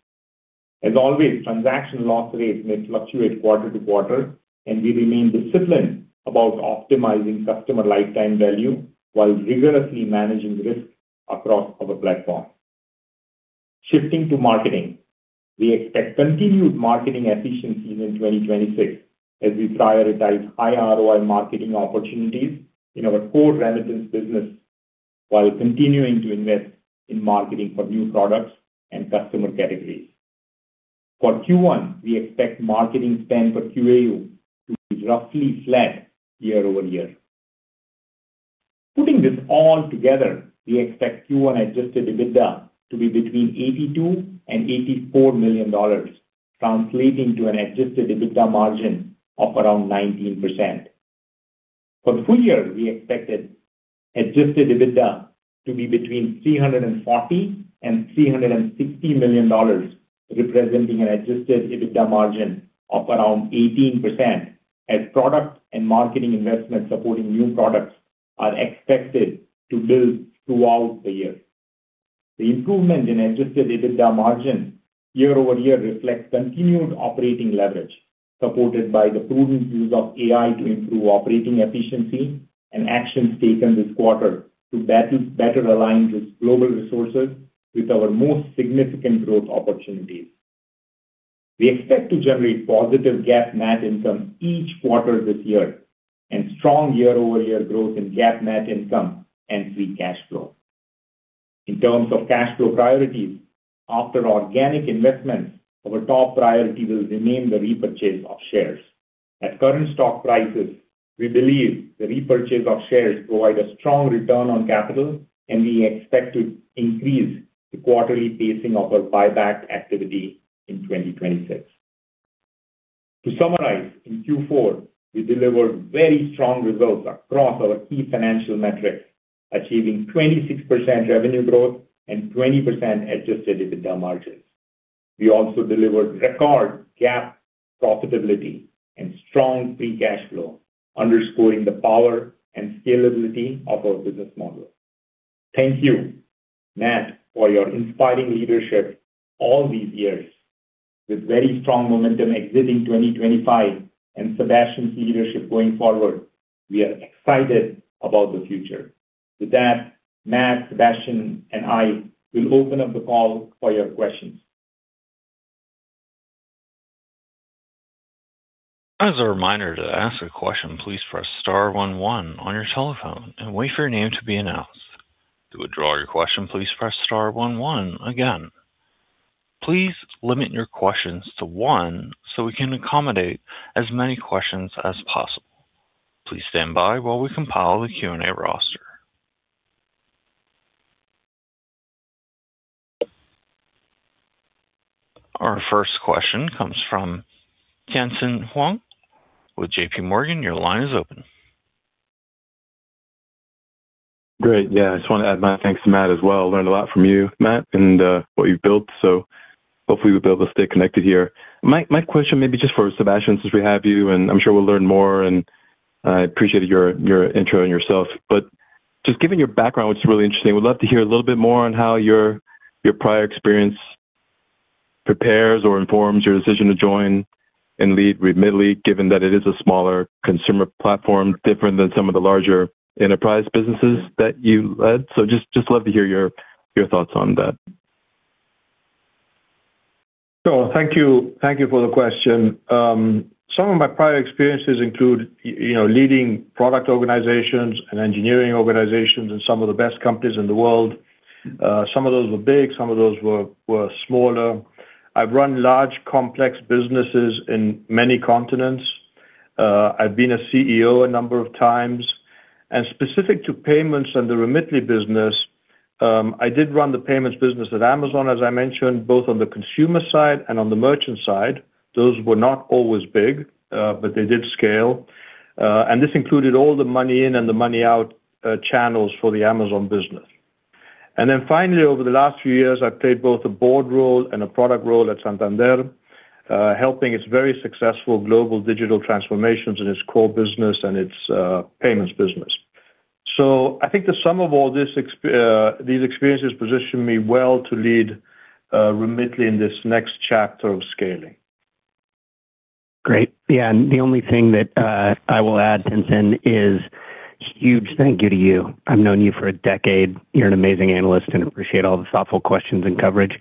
As always, transaction loss rates may fluctuate quarter to quarter, and we remain disciplined about optimizing customer lifetime value while rigorously managing risk across our platform. Shifting to marketing. We expect continued marketing efficiencies in 2026 as we prioritize high ROI marketing opportunities in our core remittance business, while continuing to invest in marketing for new products and customer categories. For Q1, we expect marketing spend per QAU to be roughly flat year over year. Putting this all together, we expect Q1 Adjusted EBITDA to be between $82 million and $84 million, translating to an Adjusted EBITDA margin of around 19%. For the full year, we expected Adjusted EBITDA to be between $340 million and $360 million, representing an Adjusted EBITDA margin of around 18%, as product and marketing investments supporting new products are expected to build throughout the year. The improvement in Adjusted EBITDA margin year-over-year reflects continued operating leverage, supported by the prudent use of AI to improve operating efficiency and actions taken this quarter to better align its global resources with our most significant growth opportunities. We expect to generate positive GAAP net income each quarter this year and strong year-over-year growth in GAAP net income and Free Cash Flow. In terms of cash flow priorities, after organic investments, our top priority will remain the repurchase of shares. At current stock prices, we believe the repurchase of shares provide a strong return on capital, and we expect to increase the quarterly pacing of our buyback activity in 2026. To summarize, in Q4, we delivered very strong results across our key financial metrics, achieving 26% revenue growth and 20% Adjusted EBITDA margins. We also delivered record GAAP profitability and strong Free Cash Flow, underscoring the power and scalability of our business model. Thank you, Matt, for your inspiring leadership all these years. With very strong momentum exiting 2025 and Sebastian's leadership going forward, we are excited about the future.... With that, Matt, Sebastian, and I will open up the call for your questions. As a reminder, to ask a question, please press star one one on your telephone and wait for your name to be announced. To withdraw your question, please press star one one again. Please limit your questions to one so we can accommodate as many questions as possible. Please stand by while we compile the Q&A roster. Our first question comes from Tien-Tsin Huang with JPMorgan. Your line is open. Great. Yeah, I just want to add my thanks to Matt as well. Learned a lot from you, Matt, and what you've built, so hopefully we'll be able to stay connected here. My question may be just for Sebastian, since we have you, and I'm sure we'll learn more, and I appreciate your intro and yourself. But just given your background, which is really interesting, would love to hear a little bit more on how your prior experience prepares or informs your decision to join and lead Remitly, given that it is a smaller consumer platform, different than some of the larger enterprise businesses that you led. So just love to hear your thoughts on that. Sure. Thank you. Thank you for the question. Some of my prior experiences include, you know, leading product organizations and engineering organizations and some of the best companies in the world. Some of those were big, some of those were smaller. I've run large, complex businesses in many continents. I've been a CEO a number of times. And specific to payments and the Remitly business, I did run the payments business at Amazon, as I mentioned, both on the consumer side and on the merchant side. Those were not always big, but they did scale. And this included all the money in and the money out channels for the Amazon business. And then finally, over the last few years, I've played both a board role and a product role at Santander, helping its very successful global digital transformations in its core business and its payments business. So I think the sum of all this—these experiences position me well to lead Remitly in this next chapter of scaling. Great. Yeah, and the only thing that I will add, Tien-Tsin, is huge thank you to you. I've known you for a decade. You're an amazing analyst, and appreciate all the thoughtful questions and coverage.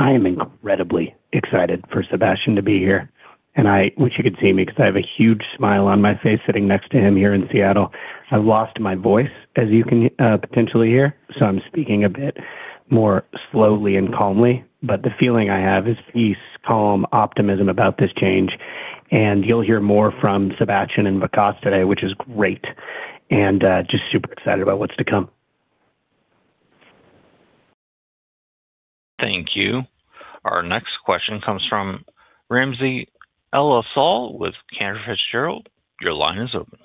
I am incredibly excited for Sebastian to be here, and I wish you could see me because I have a huge smile on my face sitting next to him here in Seattle. I've lost my voice, as you can potentially hear, so I'm speaking a bit more slowly and calmly. But the feeling I have is peace, calm, optimism about this change, and you'll hear more from Sebastian and Vikas today, which is great. And just super excited about what's to come. Thank you. Our next question comes from Ramsey El-Assal with Cantor Fitzgerald. Your line is open.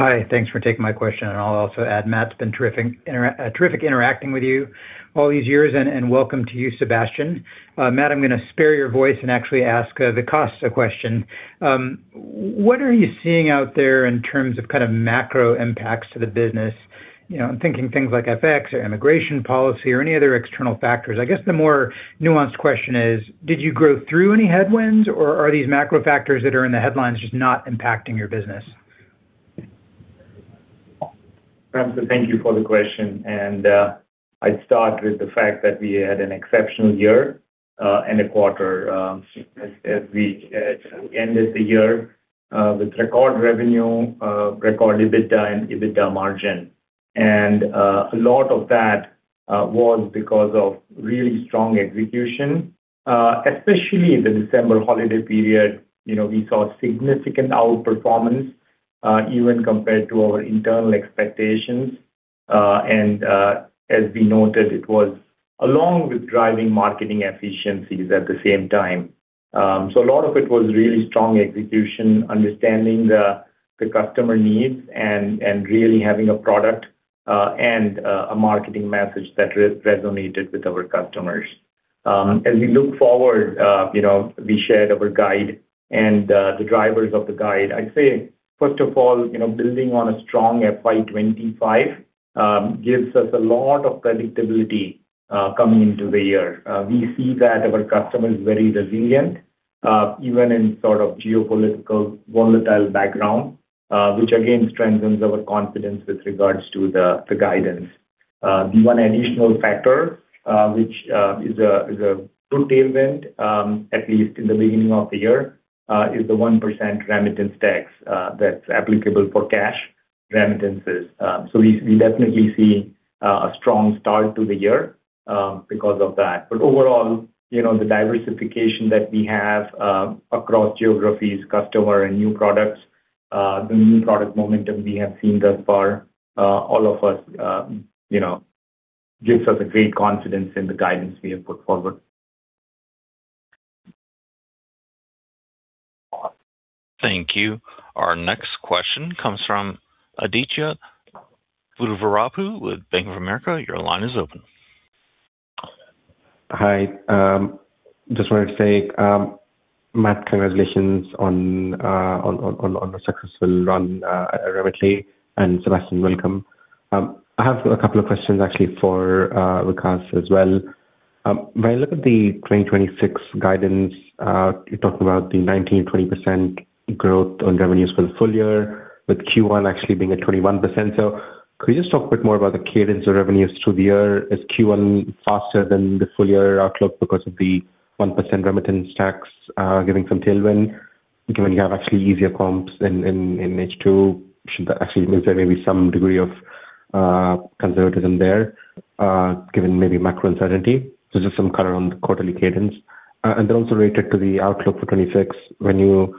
Hi, thanks for taking my question, and I'll also add, Matt, it's been terrific interacting with you all these years, and welcome to you, Sebastian. Matt, I'm gonna spare your voice and actually ask Vikas a question. What are you seeing out there in terms of kind of macro impacts to the business? You know, I'm thinking things like FX or immigration policy or any other external factors. I guess the more nuanced question is, did you grow through any headwinds, or are these macro factors that are in the headlines just not impacting your business? Ramsey, thank you for the question, and I'd start with the fact that we had an exceptional year and a quarter, as we ended the year with record revenue, record EBITDA and EBITDA margin. And a lot of that was because of really strong execution, especially in the December holiday period. You know, we saw significant outperformance, even compared to our internal expectations. And as we noted, it was along with driving marketing efficiencies at the same time. So a lot of it was really strong execution, understanding the customer needs and really having a product and a marketing message that resonated with our customers. As we look forward, you know, we shared our guide and the drivers of the guide. I'd say, first of all, you know, building on a strong FY 25, gives us a lot of predictability, coming into the year. We see that our customers are very resilient, even in sort of geopolitical volatile background, which again, strengthens our confidence with regards to the, the guidance. The one additional factor, which, is a, is a true tailwind, at least in the beginning of the year, is the 1% remittance tax, that's applicable for cash remittances. So we, we definitely see, a strong start to the year, because of that. But overall, you know, the diversification that we have across geographies, customers, and new products, the new product momentum we have seen thus far, you know, gives us great confidence in the guidance we have put forward. Thank you. Our next question comes from Aditya Buddhavarapu with Bank of America. Your line is open. Hi, just wanted to say, Matt, congratulations on the successful run at Remitly, and Sebastian, welcome. I have a couple of questions actually for Vikas as well... When I look at the 2026 guidance, you talked about the 19%-20% growth on revenues for the full year, with Q1 actually being at 21%. So could you just talk a bit more about the cadence of revenues through the year? Is Q1 faster than the full year outlook because of the 1% remittance tax giving some tailwind, given you have actually easier comps in H2, should that actually means there may be some degree of conservatism there, given maybe macro uncertainty? So just some color on the quarterly cadence. And then also related to the outlook for 2026, when you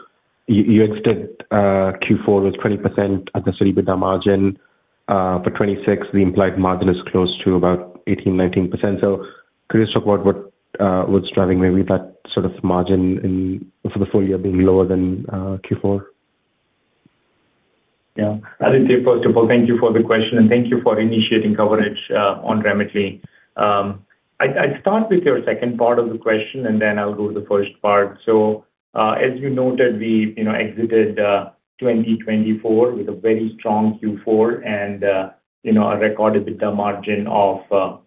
exited Q4 with 20% at the EBITDA margin, for 2026, the implied margin is close to about 18%-19%. So could you talk about what's driving maybe that sort of margin for the full year being lower than Q4? Yeah. I think, first of all, thank you for the question, and thank you for initiating coverage on Remitly. I'd start with your second part of the question, and then I'll go to the first part. So, as you noted, we, you know, exited 2024 with a very strong Q4 and, you know, a recorded EBITDA margin of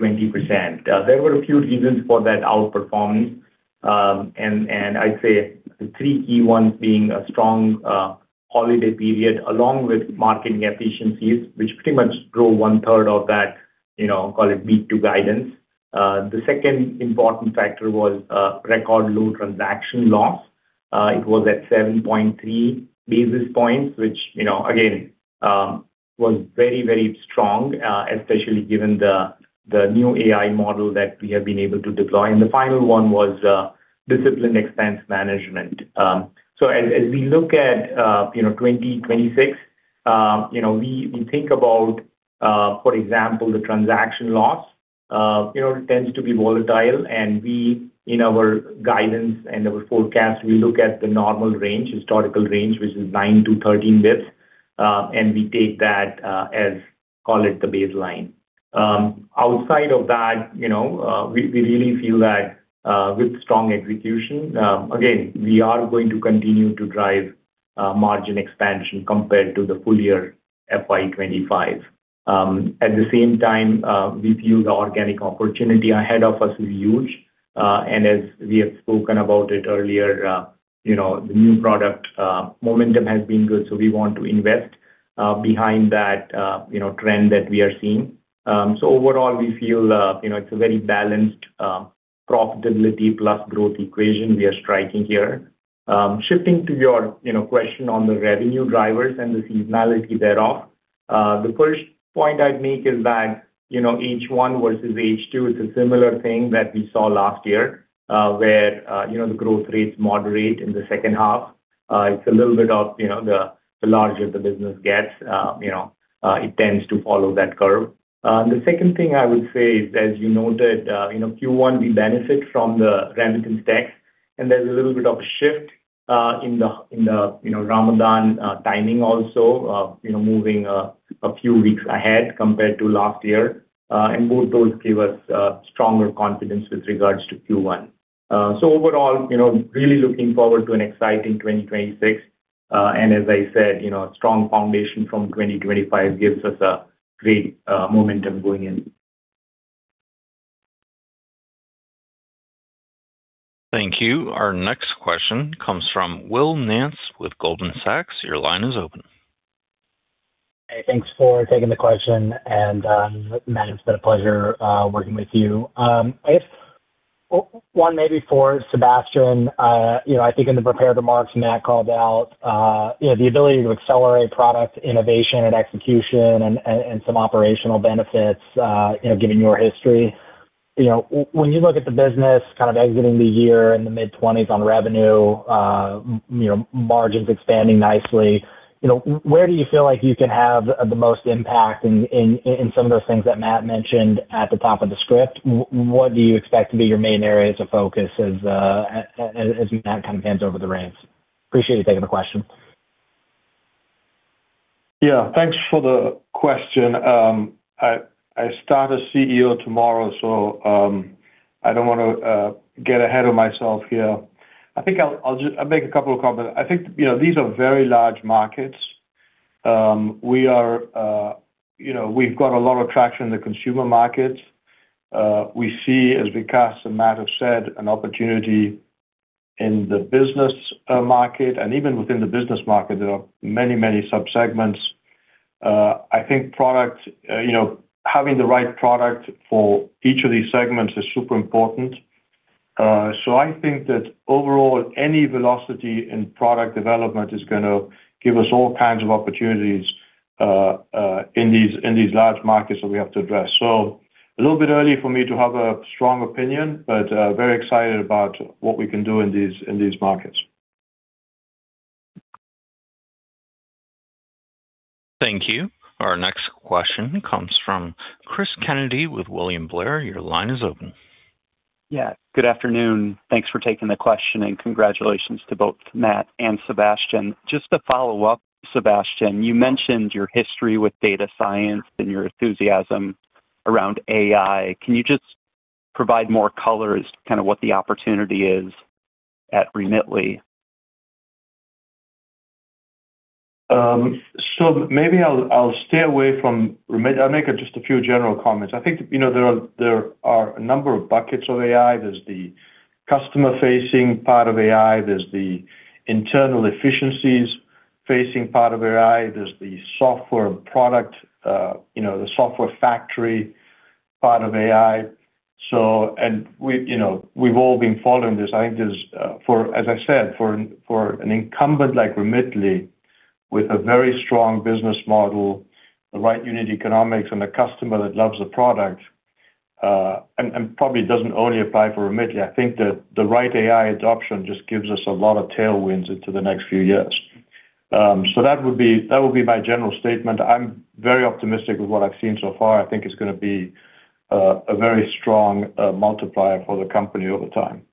20%. There were a few reasons for that outperformance, and I'd say the three key ones being a strong holiday period, along with marketing efficiencies, which pretty much drove one third of that, you know, call it beat to guidance. The second important factor was record low transaction loss. It was at 7.3 basis points, which, you know, again, was very, very strong, especially given the new AI model that we have been able to deploy. The final one was disciplined expense management. As we look at, you know, 2026, you know, we think about, for example, the transaction loss, you know, it tends to be volatile, and we, in our guidance and our forecast, we look at the normal range, historical range, which is 9-13 basis points, and we take that as, call it, the baseline. Outside of that, you know, we really feel that, with strong execution, again, we are going to continue to drive margin expansion compared to the full year FY 2025. At the same time, we view the organic opportunity ahead of us is huge, and as we have spoken about it earlier, you know, the new product momentum has been good, so we want to invest behind that, you know, trend that we are seeing. So overall, we feel, you know, it's a very balanced, profitability plus growth equation we are striking here. Shifting to your, you know, question on the revenue drivers and the seasonality thereof, the first point I'd make is that, you know, H1 versus H2, it's a similar thing that we saw last year, where, you know, the growth rates moderate in the second half. It's a little bit of, you know, the larger the business gets, you know, it tends to follow that curve. The second thing I would say is, as you noted, you know, Q1, we benefit from the remittance tax, and there's a little bit of a shift in the Ramadan timing also, you know, moving a few weeks ahead compared to last year. And both those give us stronger confidence with regards to Q1. So overall, you know, really looking forward to an exciting 2026, and as I said, you know, strong foundation from 2025 gives us a great momentum going in. Thank you. Our next question comes from Will Nance with Goldman Sachs. Your line is open. Hey, thanks for taking the question, and Matt, it's been a pleasure working with you. I have one maybe for Sebastian. You know, I think in the prepared remarks, Matt called out, you know, the ability to accelerate product innovation and execution and some operational benefits, you know, given your history. You know, when you look at the business kind of exiting the year in the mid-twenties on revenue, you know, margins expanding nicely, you know, where do you feel like you can have the most impact in some of those things that Matt mentioned at the top of the script? What do you expect to be your main areas of focus as Matt kind of hands over the reins? Appreciate you taking the question. Yeah, thanks for the question. I start as CEO tomorrow, so I don't want to get ahead of myself here. I think I'll just... I'll make a couple of comments. I think, you know, these are very large markets. We are, you know, we've got a lot of traction in the consumer markets. We see, as Vikas and Matt have said, an opportunity in the business market, and even within the business market, there are many, many subsegments. I think product, you know, having the right product for each of these segments is super important. So I think that overall, any velocity in product development is gonna give us all kinds of opportunities in these large markets that we have to address. A little bit early for me to have a strong opinion, but, very excited about what we can do in these, in these markets. Thank you. Our next question comes from Chris Kennedy with William Blair. Your line is open. Yeah, good afternoon. Thanks for taking the question, and congratulations to both Matt and Sebastian. Just to follow up, Sebastian, you mentioned your history with data science and your enthusiasm around AI. Can you just provide more color as to kind of what the opportunity is at Remitly? So maybe I'll stay away from Remitly. I'll make just a few general comments. I think, you know, there are a number of buckets of AI. There's the customer-facing part of AI, there's the internal efficiencies-facing part of AI, there's the software product, you know, the software factory part of AI. So, and we, you know, we've all been following this. I think this, for, as I said, for an incumbent like Remitly, with a very strong business model, the right unit economics, and a customer that loves the product, and probably doesn't only apply for Remitly. I think that the right AI adoption just gives us a lot of tailwinds into the next few years. So that would be my general statement. I'm very optimistic with what I've seen so far. I think it's gonna be a very strong multiplier for the company over time.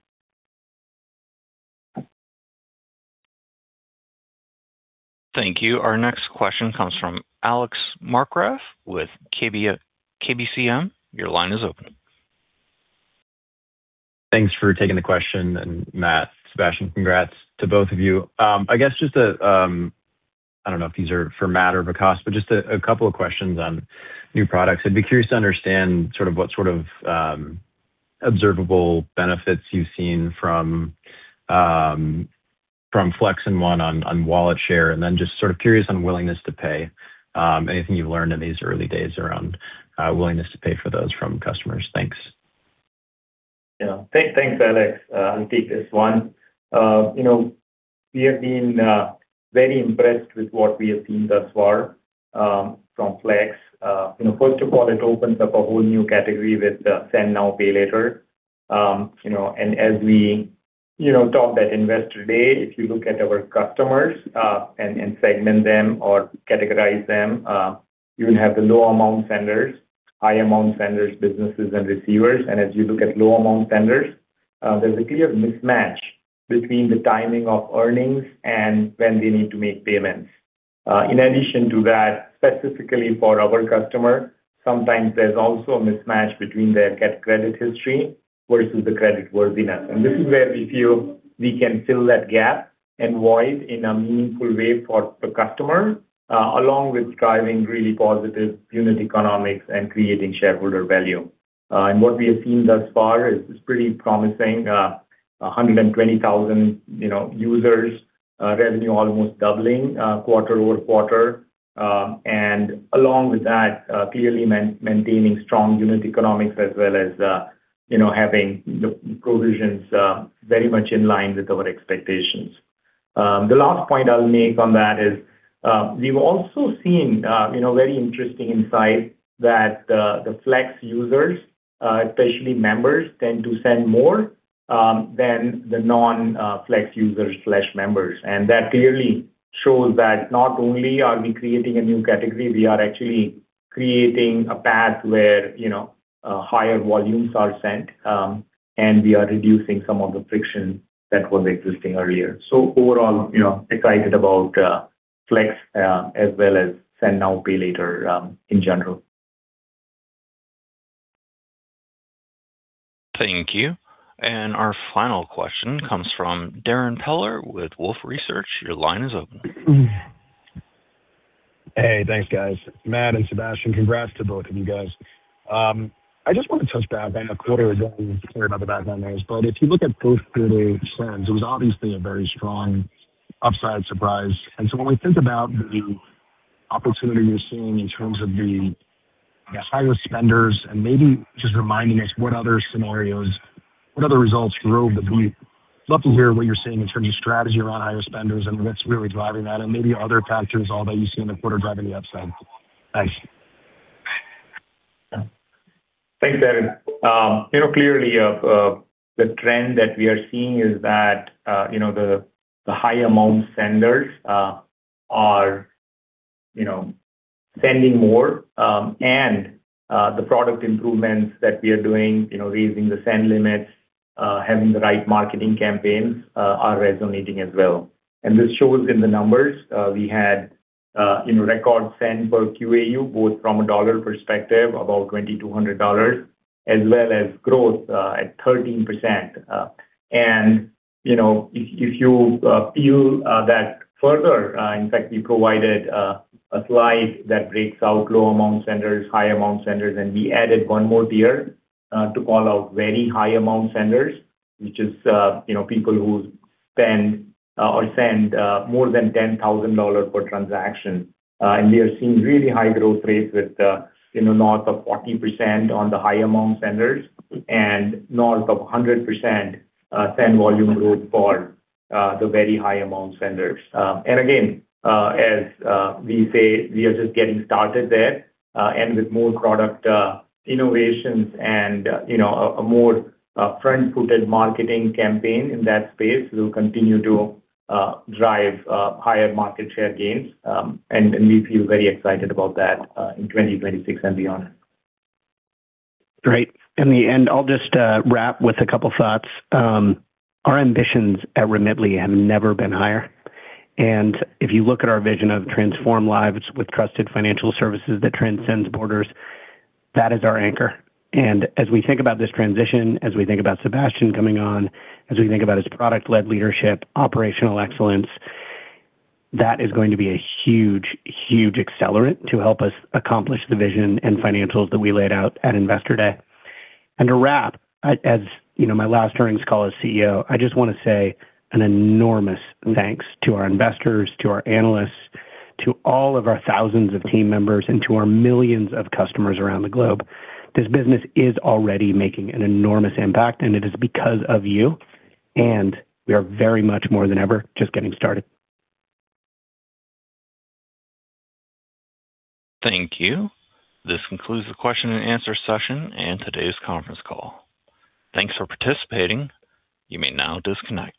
Thank you. Our next question comes from Alex Markgraff with KBCM. Your line is open. Thanks for taking the question, and Matt, Sebastian, congrats to both of you. I guess just a, I don't know if these are for Matt or Vikas, but just a couple of questions on new products. I'd be curious to understand sort of what sort of observable benefits you've seen from Flex and one on wallet share, and then just sort of curious on willingness to pay. Anything you've learned in these early days around willingness to pay for those from customers? Thanks. Yeah. Thanks, Alex. I'll take this one. You know, we have been very impressed with what we have seen thus far from Flex. You know, first of all, it opens up a whole new category with send now, pay later. You know, and as we talked at Investor Day, if you look at our customers and segment them or categorize them, you will have the low-amount senders, high-amount senders, businesses, and receivers. And as you look at low-amount senders, there's a clear mismatch between the timing of earnings and when they need to make payments. In addition to that, specifically for our customer, sometimes there's also a mismatch between their get credit history versus the credit worthiness. This is where we feel we can fill that gap and void in a meaningful way for the customer, along with driving really positive unit economics and creating shareholder value. What we have seen thus far is pretty promising. 120,000, you know, users, revenue almost doubling, quarter-over-quarter. Along with that, clearly maintaining strong unit economics as well as, you know, having the provisions very much in line with our expectations. The last point I'll make on that is we've also seen, you know, very interesting insight that the Flex users, especially members, tend to send more than the non-Flex users/members. That clearly shows that not only are we creating a new category, we are actually creating a path where, you know, higher volumes are sent, and we are reducing some of the friction that was existing earlier. Overall, you know, excited about Flex as well as Send Now, Pay Later in general. Thank you. Our final question comes from Darrin Peller with Wolfe Research. Your line is open. Hey, thanks, guys. Matt and Sebastian, congrats to both of you guys. I just wanna touch back on the quarter again, clear about the background noise. But if you look at both Q4 sends, it was obviously a very strong upside surprise. And so when we think about the opportunity you're seeing in terms of the higher spenders, and maybe just reminding us what other scenarios, what other results drove them, we'd love to hear what you're seeing in terms of strategy around higher spenders and what's really driving that, and maybe other factors all that you see in the quarter driving the upside. Thanks. Thanks, Darren. You know, clearly, the trend that we are seeing is that, you know, the high-amount senders are you know, sending more, and the product improvements that we are doing, you know, raising the send limits, having the right marketing campaigns, are resonating as well. And this shows in the numbers. You know, record send per QAU, both from a dollar perspective, about $2,200, as well as growth at 13%. And, you know, if you view that further, in fact, we provided a slide that breaks out low-amount senders, high-amount senders, and we added one more tier to call out very high-amount senders, which is, you know, people who spend or send more than $10,000 per transaction. And we are seeing really high growth rates with, you know, north of 40% on the high-amount senders and north of 100%, send volume growth for the very high-amount senders. And again, as we say, we are just getting started there, and with more product innovations and, you know, a more front-footed marketing campaign in that space, we'll continue to drive higher market share gains, and we feel very excited about that in 2026 and beyond. Great. In the end, I'll just wrap with a couple thoughts. Our ambitions at Remitly have never been higher, and if you look at our vision of transform lives with trusted financial services that transcends borders, that is our anchor. And as we think about this transition, as we think about Sebastian coming on, as we think about his product-led leadership, operational excellence, that is going to be a huge, huge accelerant to help us accomplish the vision and financials that we laid out at Investor Day. And to wrap, I, as you know, my last earnings call as CEO, I just wanna say an enormous thanks to our investors, to our analysts, to all of our thousands of team members, and to our millions of customers around the globe. This business is already making an enormous impact, and it is because of you, and we are very much more than ever just getting started. Thank you. This concludes the question and answer session and today's conference call. Thanks for participating. You may now disconnect.